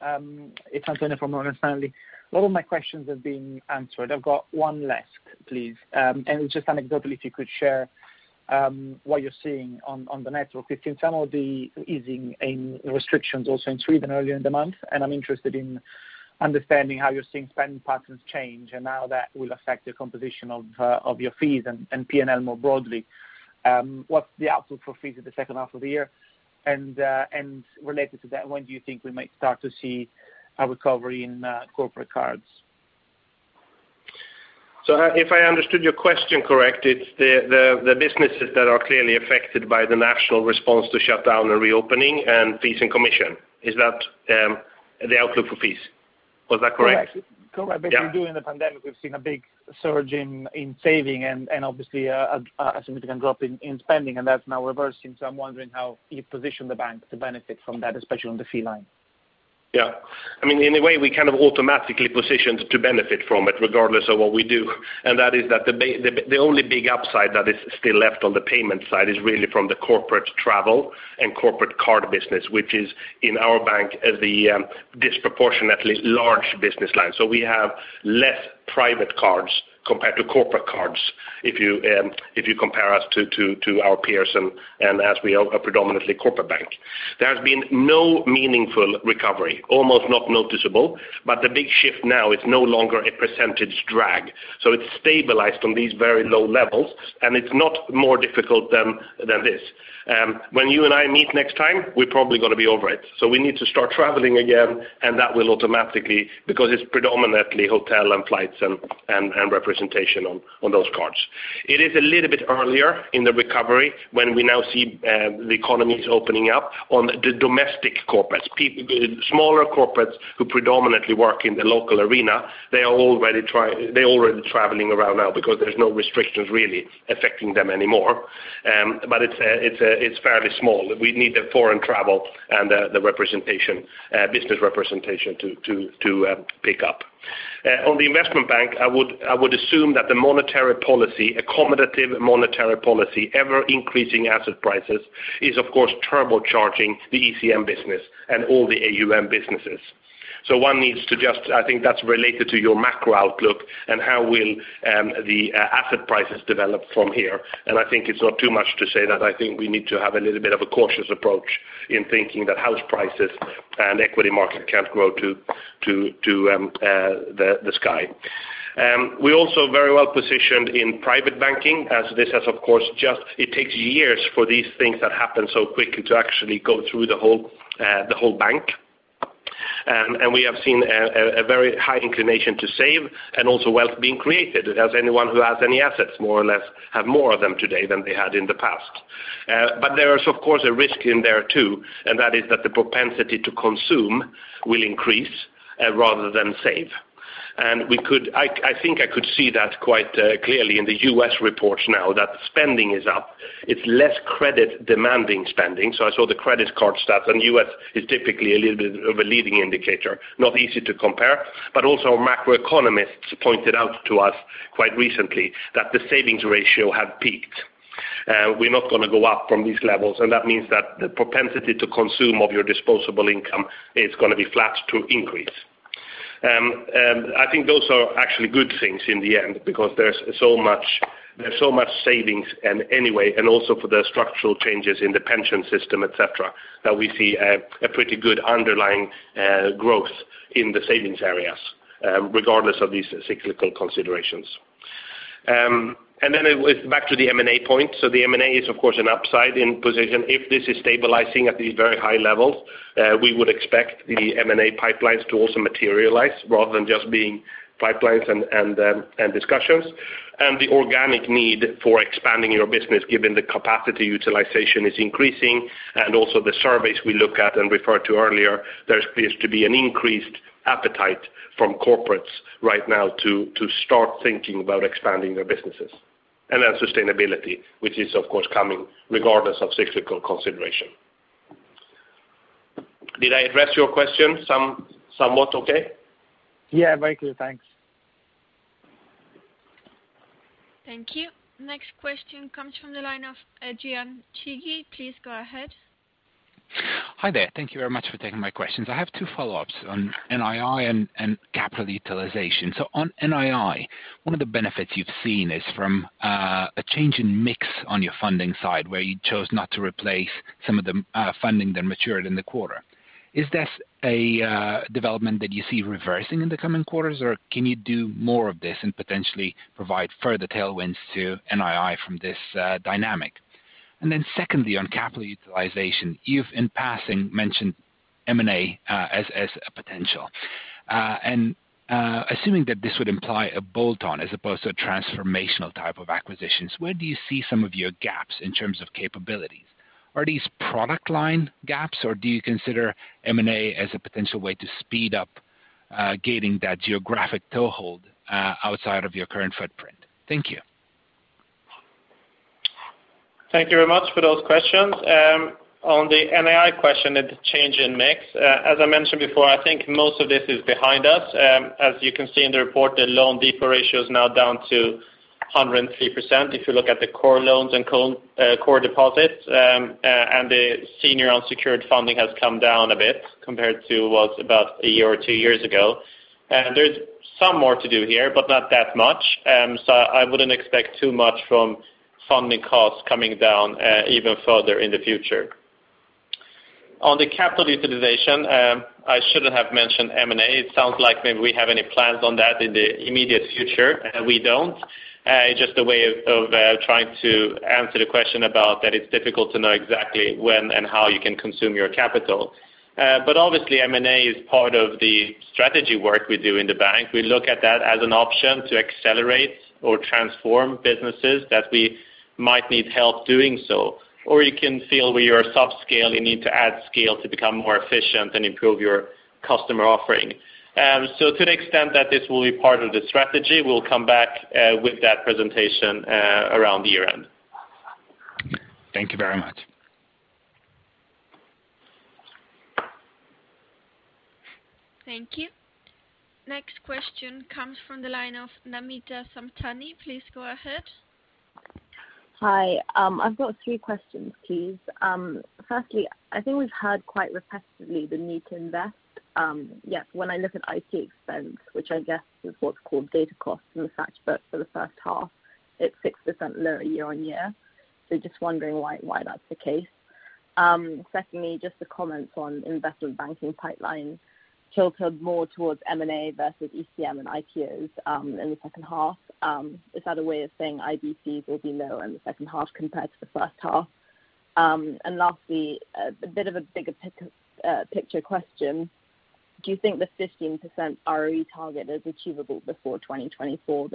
It's Antonio from Morgan Stanley. A lot of my questions have been answered. I've got one last, please. It's just anecdotally, if you could share what you're seeing on the network. We've seen some of the easing in restrictions also in Sweden earlier in the month, and I'm interested in understanding how you're seeing spending patterns change and how that will affect your composition of your fees and P&L more broadly. What's the outlook for fees in the second half of the year? Related to that, when do you think we might start to see a recovery in corporate cards? If I understood your question correctly, it's the businesses that are clearly affected by the national response to shutdown and reopening and fees and commission. Is that the outlook for fees? Was that correct? Correct. Yeah. I bet you during the pandemic, we've seen a big surge in saving and obviously a significant drop in spending, and that's now reversing. I'm wondering how you position the bank to benefit from that, especially on the fee line. In a way, we kind of automatically positioned to benefit from it regardless of what we do. That is that the only big upside that is still left on the payment side is really from the corporate travel and corporate card business, which is in our bank as the disproportionately large business line. We have less private cards compared to corporate cards, if you compare us to our peers and as we are a predominantly corporate bank. There has been no meaningful recovery, almost not noticeable, the big shift now is no longer a percentage drag. It's stabilized on these very low levels, and it's not more difficult than this. When you and I meet next time, we're probably going to be over it. We need to start traveling again, and that will automatically. Because it's predominantly hotel and flights and representation on those cards. It is a little bit earlier in the recovery when we now see the economies opening up on the domestic corporates. The smaller corporates who predominantly work in the local arena, they're already traveling around now because there's no restrictions really affecting them anymore. It's fairly small. We need the foreign travel and the business representation to pick up. On the investment bank, I would assume that the monetary policy, accommodative monetary policy, ever-increasing asset prices, is of course turbocharging the ECM business and all the AUM businesses. One needs to. I think that's related to your macro outlook and how will the asset prices develop from here. I think it's not too much to say that I think we need to have a little bit of a cautious approach in thinking that house prices and equity market can't grow to the sky. We're also very well-positioned in private banking as this has, of course, It takes years for these things that happen so quickly to actually go through the whole bank. We have seen a very high inclination to save and also wealth being created, as anyone who has any assets more or less have more of them today than they had in the past. There is, of course, a risk in there, too, and that is that the propensity to consume will increase rather than save. I think I could see that quite clearly in the U.S. reports now that spending is up. It's less credit-demanding spending. I saw the credit card stats, and U.S. is typically a little bit of a leading indicator. Not easy to compare. Also macroeconomists pointed out to us quite recently that the savings ratio had peaked. We're not going to go up from these levels, and that means that the propensity to consume of your disposable income is going to be flat to increase. I think those are actually good things in the end because there's so much savings anyway, and also for the structural changes in the pension system, et cetera, that we see a pretty good underlying growth in the savings areas regardless of these cyclical considerations. Back to the M&A point. The M&A is, of course, an upside in position. If this is stabilizing at these very high levels, we would expect the M&A pipelines to also materialize rather than just being pipelines and discussions. The organic need for expanding your business, given the capacity utilization is increasing, and also the surveys we look at and referred to earlier, there appears to be an increased appetite from corporates right now to start thinking about expanding their businesses. Then sustainability, which is, of course, coming regardless of cyclical consideration. Did I address your question somewhat okay? Yeah, very clear. Thanks. Thank you. Next question comes from the line of Adrian Cighi. Please go ahead. Hi there. Thank you very much for taking my questions. I have two follow-ups on NII and capital utilization. On NII, one of the benefits you've seen is from a change in mix on your funding side, where you chose not to replace some of the funding that matured in the quarter. Is this a development that you see reversing in the coming quarters, or can you do more of this and potentially provide further tailwinds to NII from this dynamic? Secondly, on capital utilization, you've in passing mentioned M&A as a potential. Assuming that this would imply a bolt-on as opposed to transformational type of acquisitions, where do you see some of your gaps in terms of capabilities? Are these product line gaps, or do you consider M&A as a potential way to speed up gaining that geographic toehold outside of your current footprint? Thank you. Thank you very much for those questions. On the NII question and the change in mix, as I mentioned before, I think most of this is behind us. As you can see in the report, the loan deposit ratio is now down to 103%. If you look at the core loans and core deposits, and the senior unsecured funding has come down a bit compared to what it was about a year or two years ago. There's some more to do here, but not that much. I wouldn't expect too much from funding costs coming down even further in the future. On the capital utilization, I shouldn't have mentioned M&A. It sounds like maybe we have any plans on that in the immediate future. We don't. Just a way of trying to answer the question about that it's difficult to know exactly when and how you can consume your capital. Obviously, M&A is part of the strategy work we do in the bank. We look at that as an option to accelerate or transform businesses that we might need help doing so. You can feel where you are subscale, you need to add scale to become more efficient and improve your customer offering. To the extent that this will be part of the strategy, we'll come back with that presentation around the year-end. Thank you very much. Thank you. Next question comes from the line of Namita Samtani. Please go ahead. Hi. I've got three questions, please. Firstly, I think we've heard quite repetitively the need to invest. Yet when I look at IT expense, which I guess is what's called data costs and such, but for the first half, it's 6% lower year-on-year. Just wondering why that's the case. Secondly, just the comments on investment banking pipeline tilted more towards M&A versus ECM and IPOs in the second half. Is that a way of saying IB fees will be lower in the second half compared to the first half? Lastly, a bit of a bigger picture question. Do you think the 15% ROE target is achievable before 2024?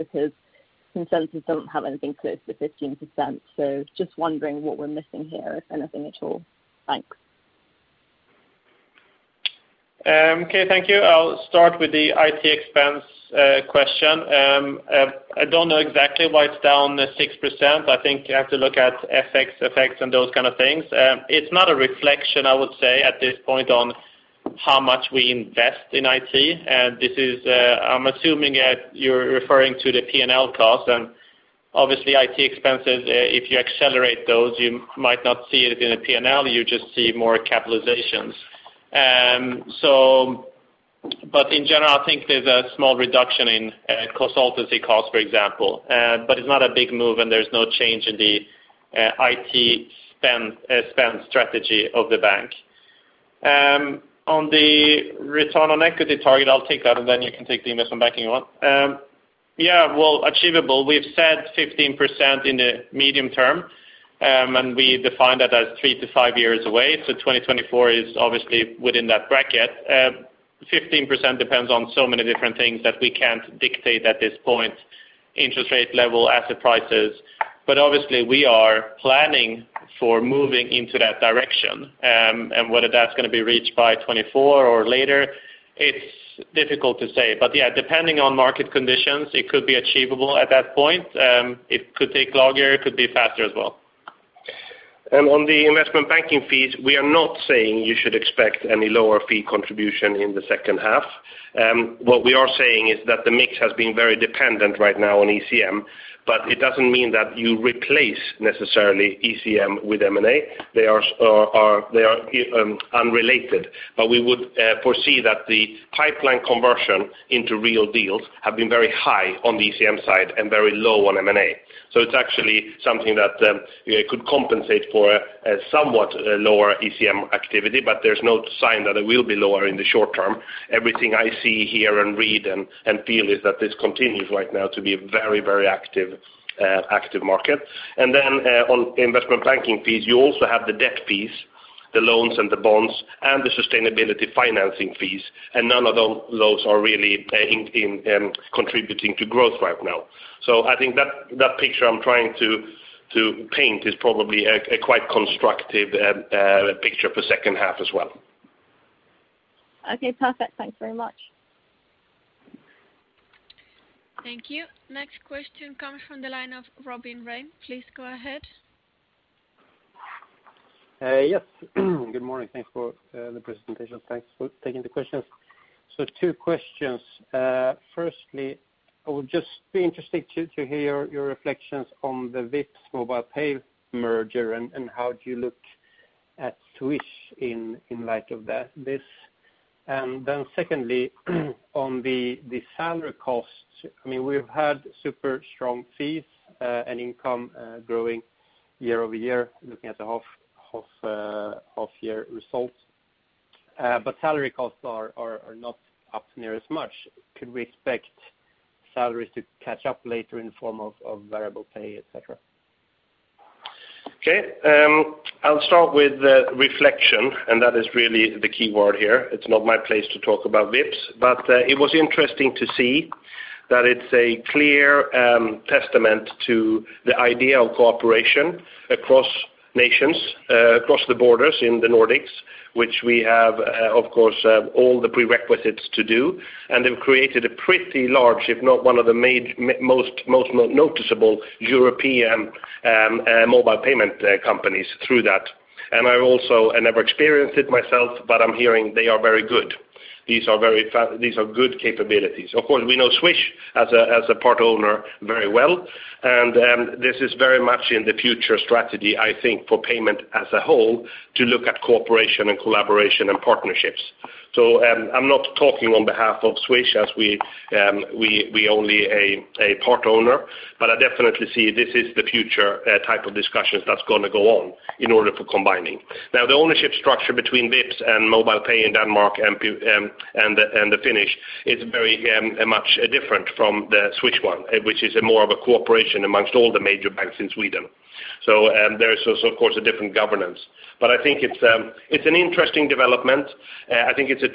Consensus doesn't have anything close to 15%. Just wondering what we're missing here, if anything at all. Thanks. Okay, thank you. I'll start with the IT expense question. I don't know exactly why it's down 6%. I think you have to look at FX effects and those kinds of things. It's not a reflection, I would say, at this point on how much we invest in IT. I'm assuming you're referring to the P&L cost. Obviously, IT expenses, if you accelerate those, you might not see it in a P&L you just see more capitalizations. In general, I think there's a small reduction in consultancy costs, for example. It's not a big move, and there's no change in the IT spend strategy of the bank. On the return on equity target, I'll take that, and then you can take the investment banking one. Yeah, well, achievable. We've said 15% in the medium term, and we define that as three to five years away. 2024 is obviously within that bracket. 15% depends on so many different things that we can't dictate at this point, interest rate level, asset prices. Obviously, we are planning for moving into that direction. Whether that's going to be reached by 2024 or later, it's difficult to say. Yeah, depending on market conditions, it could be achievable at that point. It could take longer. It could be faster as well. On the investment banking fees, we are not saying you should expect any lower fee contribution in the second half. What we are saying is that the mix has been very dependent right now on ECM, but it doesn't mean that you replace necessarily ECM with M&A. They are unrelated. We would foresee that the pipeline conversion into real deals have been very high on the ECM side and very low on M&A. It's actually something that could compensate for a somewhat lower ECM activity, but there's no sign that it will be lower in the short term. Everything I see, hear, and read and feel is that this continues right now to be a very active market. Then on investment banking fees, you also have the debt fees, the loans and the bonds, and the sustainability financing fees, and none of those are really contributing to growth right now. I think that picture I'm trying to paint is probably a quite constructive picture for second half as well. Okay, perfect. Thanks very much. Thank you. Next question comes from the line of Robin Rane. Please go ahead. Yes. Good morning. Thanks for the presentation. Thanks for taking the questions. Two questions. Firstly, I would just be interested to hear your reflections on the Vipps MobilePay merger and how do you look at Swish in light of this. Secondly, on the salary costs, we've had super strong fees and income growing year-over-year, looking at the half-year results. Salary costs are not up near as much. Could we expect salaries to catch up later in the form of variable pay, et cetera? Okay. I'll start with the reflection, and that is really the key word here. It's not my place to talk about Vipps, but it was interesting to see that it's a clear testament to the idea of cooperation across nations, across the borders in the Nordics, which we have, of course, all the prerequisites to do. They've created a pretty large, if not one of the most noticeable European mobile payment companies through that. I also, I never experienced it myself, but I'm hearing they are very good. These are good capabilities. Of course, we know Swish as a part-owner very well, and this is very much in the future strategy, I think, for payment as a whole, to look at cooperation and collaboration and partnerships. I'm not talking on behalf of Swish, as we only a part-owner, but I definitely see this is the future type of discussions that's going to go on in order for combining. The ownership structure between Vipps and MobilePay in Denmark and the Finnish is very much different from the Swish one, which is more of a cooperation amongst all the major banks in Sweden. There is, of course, a different governance. I think it's an interesting development. I think it's a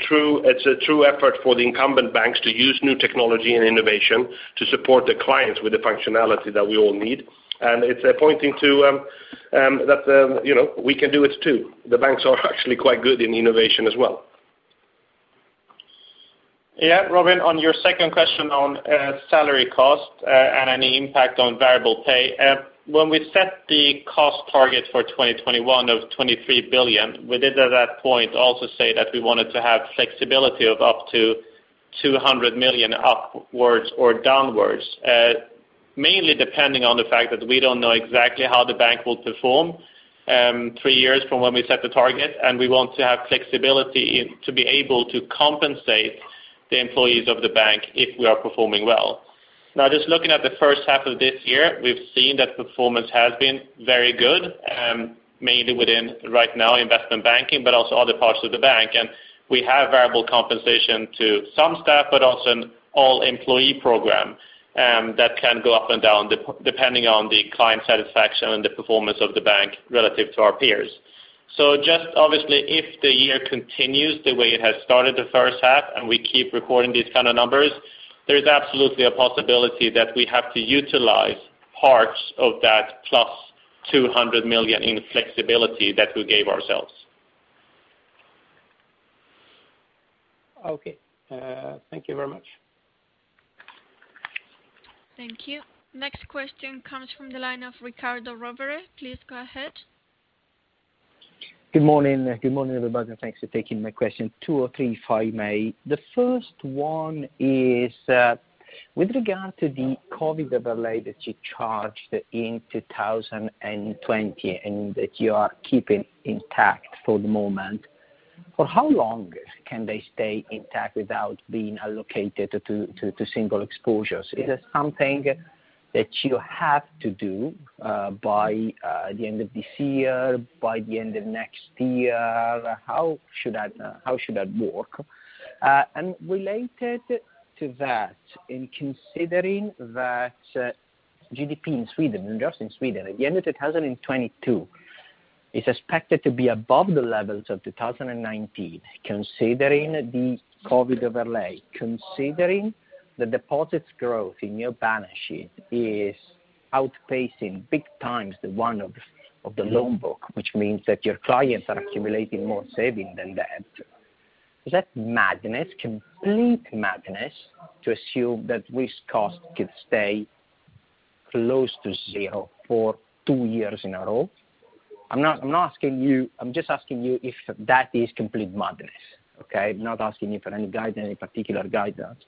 true effort for the incumbent banks to use new technology and innovation to support the clients with the functionality that we all need. It's pointing to that we can do it too. The banks are actually quite good in innovation as well. Yeah, Robin, on your second question on salary cost and any impact on variable pay, when we set the cost target for 2021 of 23 billion, we did at that point also say that we wanted to have flexibility of up to 200 million upwards or downwards. Depending on the fact that we don't know exactly how the bank will perform three years from when we set the target, and we want to have flexibility to be able to compensate the employees of the bank if we are performing well. Just looking at the first half of this year, we've seen that performance has been very good, mainly within right now investment banking, but also other parts of the bank. We have variable compensation to some staff, but also an all-employee program that can go up and down depending on the client satisfaction and the performance of the bank relative to our peers. Just obviously, if the year continues the way it has started the first half, and we keep recording these kind of numbers, there is absolutely a possibility that we have to utilize parts of that plus 200 million in flexibility that we gave ourselves. Okay. Thank you very much. Thank you. Next question comes from the line of Riccardo Rovere. Please go ahead. Good morning. Good morning, everybody, and thanks for taking my question. Two or three, if I may. The first one is, with regard to the COVID overlay that you charged in 2020 and that you are keeping intact for the moment, for how long can they stay intact without being allocated to single exposures? Is it something that you have to do by the end of this year, by the end of next year? How should that work? Related to that, in considering that GDP in Sweden and just in Sweden at the end of 2022 is expected to be above the levels of 2019, considering the COVID overlay, considering the deposits growth in your balance sheet is outpacing big times the one of the loan book, which means that your clients are accumulating more saving than debt. Is that madness, complete madness to assume that risk cost could stay close to zero for two years in a row? I'm just asking you if that is complete madness, okay? Not asking you for any guidance, any particular guidance.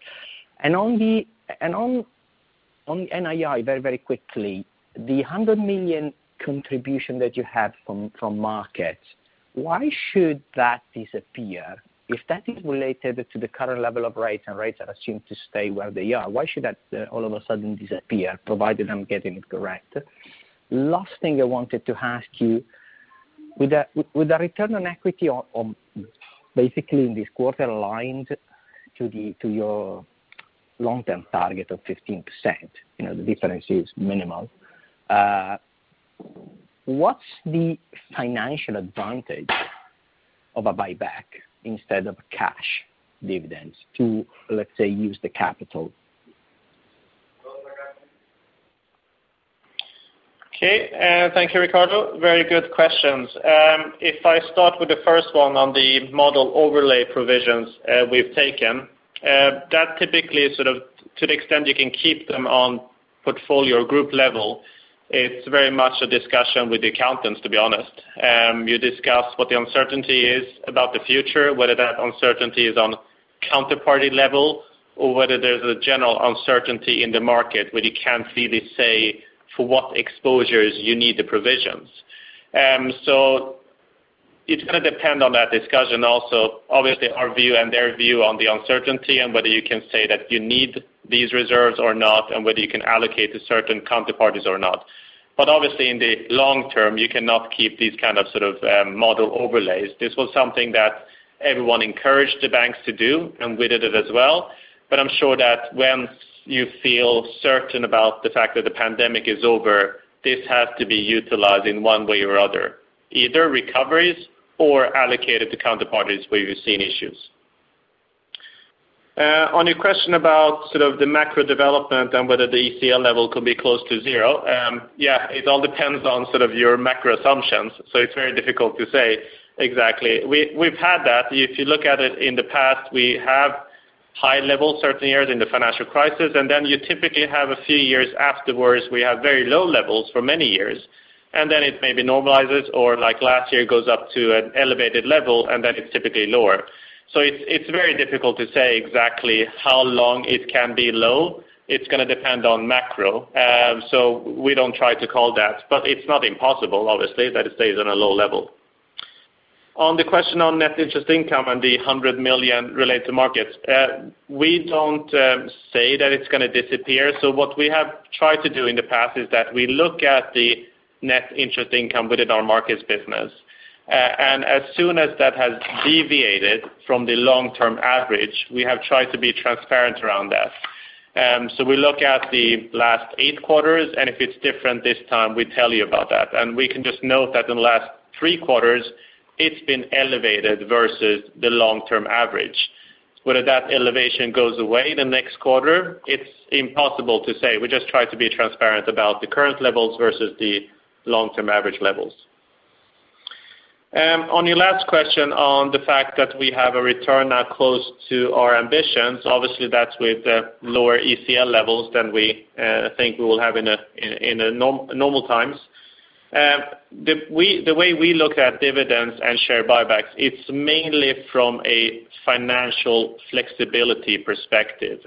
On NII, very quickly, the 100 million contribution that you have from markets, why should that disappear? If that is related to the current level of rates, and rates are assumed to stay where they are, why should that all of a sudden disappear, provided I'm getting it correct? Last thing I wanted to ask you, with the return on equity basically in this quarter aligned to your long-term target of 15%, the difference is minimal. What's the financial advantage of a buyback instead of cash dividends to, let's say, use the capital? Okay. Thank you, Riccardo. Very good questions. If I start with the one on the model overlay provisions we've taken, that typically is to the extent you can keep them on portfolio group level, it's very much a discussion with the accountants, to be honest. You discuss what the uncertainty is about the future, whether that uncertainty is on counterparty level, or whether there's a general uncertainty in the market where you can't really say for what exposures you need the provisions. It's going to depend on that discussion also. Obviously, our view and their view on the uncertainty and whether you can say that you need these reserves or not, and whether you can allocate to certain counterparties or not. Obviously, in the long term, you cannot keep these kinds of model overlays. This was something that everyone encouraged the banks to do, and we did it as well. I'm sure that once you feel certain about the fact that the pandemic is over, this has to be utilized in one way or other, either recoveries or allocated to counterparties where we've seen issues. On your question about the macro development and whether the ECL level can be close to 0. It all depends on your macro assumptions, it's very difficult to say exactly. We've had that. If you look at it in the past, we have high levels certain years in the financial crisis, then you typically have a few years afterwards we have very low levels for many years, then it maybe normalizes or like last year goes up to an elevated level, then it's typically lower. It's very difficult to say exactly how long it can be low. It's going to depend on macro. We don't try to call that, but it's not impossible, obviously, that it stays at a low level. On the question on net interest income and the 100 million related to markets, we don't say that it's going to disappear. What we have tried to do in the past is that we look at the net interest income within our markets business. As soon as that has deviated from the long-term average, we have tried to be transparent around that. We look at the last 8 quarters, and if it's different this time, we tell you about that. We can just note that in the last 3 quarters, it's been elevated versus the long-term average. Whether that elevation goes away the next quarter, it is impossible to say. We just try to be transparent about the current levels versus the long-term average levels. On your last question on the fact that we have a return now close to our ambitions, obviously, that is with lower ECL levels than we think we will have in normal times. The way we look at dividends and share buybacks, it is mainly from a financial flexibility perspective.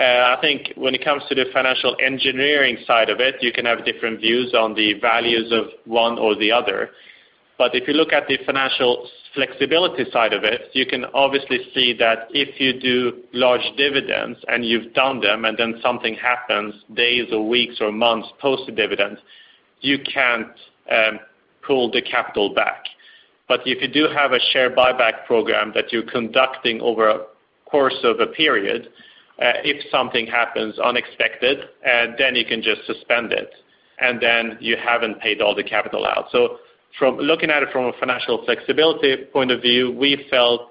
I think when it comes to the financial engineering side of it, you can have different views on the values of one or the other. If you look at the financial flexibility side of it, you can obviously see that if you do large dividends and you have done them, and then something happens days or weeks or months post the dividend, you cannot pull the capital back. If you do have a share buyback program that you're conducting over a course of a period, if something happens unexpected, then you can just suspend it, and then you haven't paid all the capital out. Looking at it from a financial flexibility point of view, we felt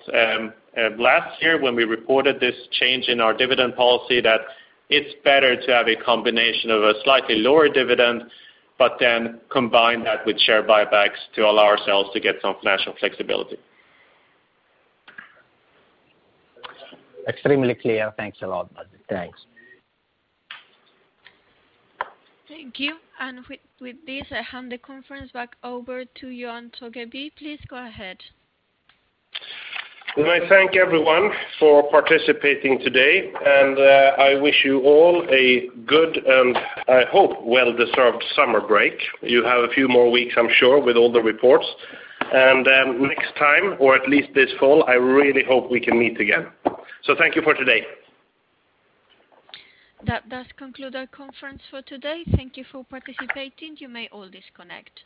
last year when we reported this change in our dividend policy that it's better to have a combination of a slightly lower dividend, but then combine that with share buybacks to allow ourselves to get some financial flexibility. Extremely clear. Thanks a lot. Thanks. Thank you. With this, I hand the conference back over to you, Johan Torgeby. Please go ahead. Well, I thank everyone for participating today, and I wish you all a good, and I hope well-deserved summer break. You have a few more weeks, I'm sure, with all the reports. Next time, or at least this fall, I really hope we can meet again. Thank you for today. That concludes our conference for today. Thank you for participating. You may all disconnect.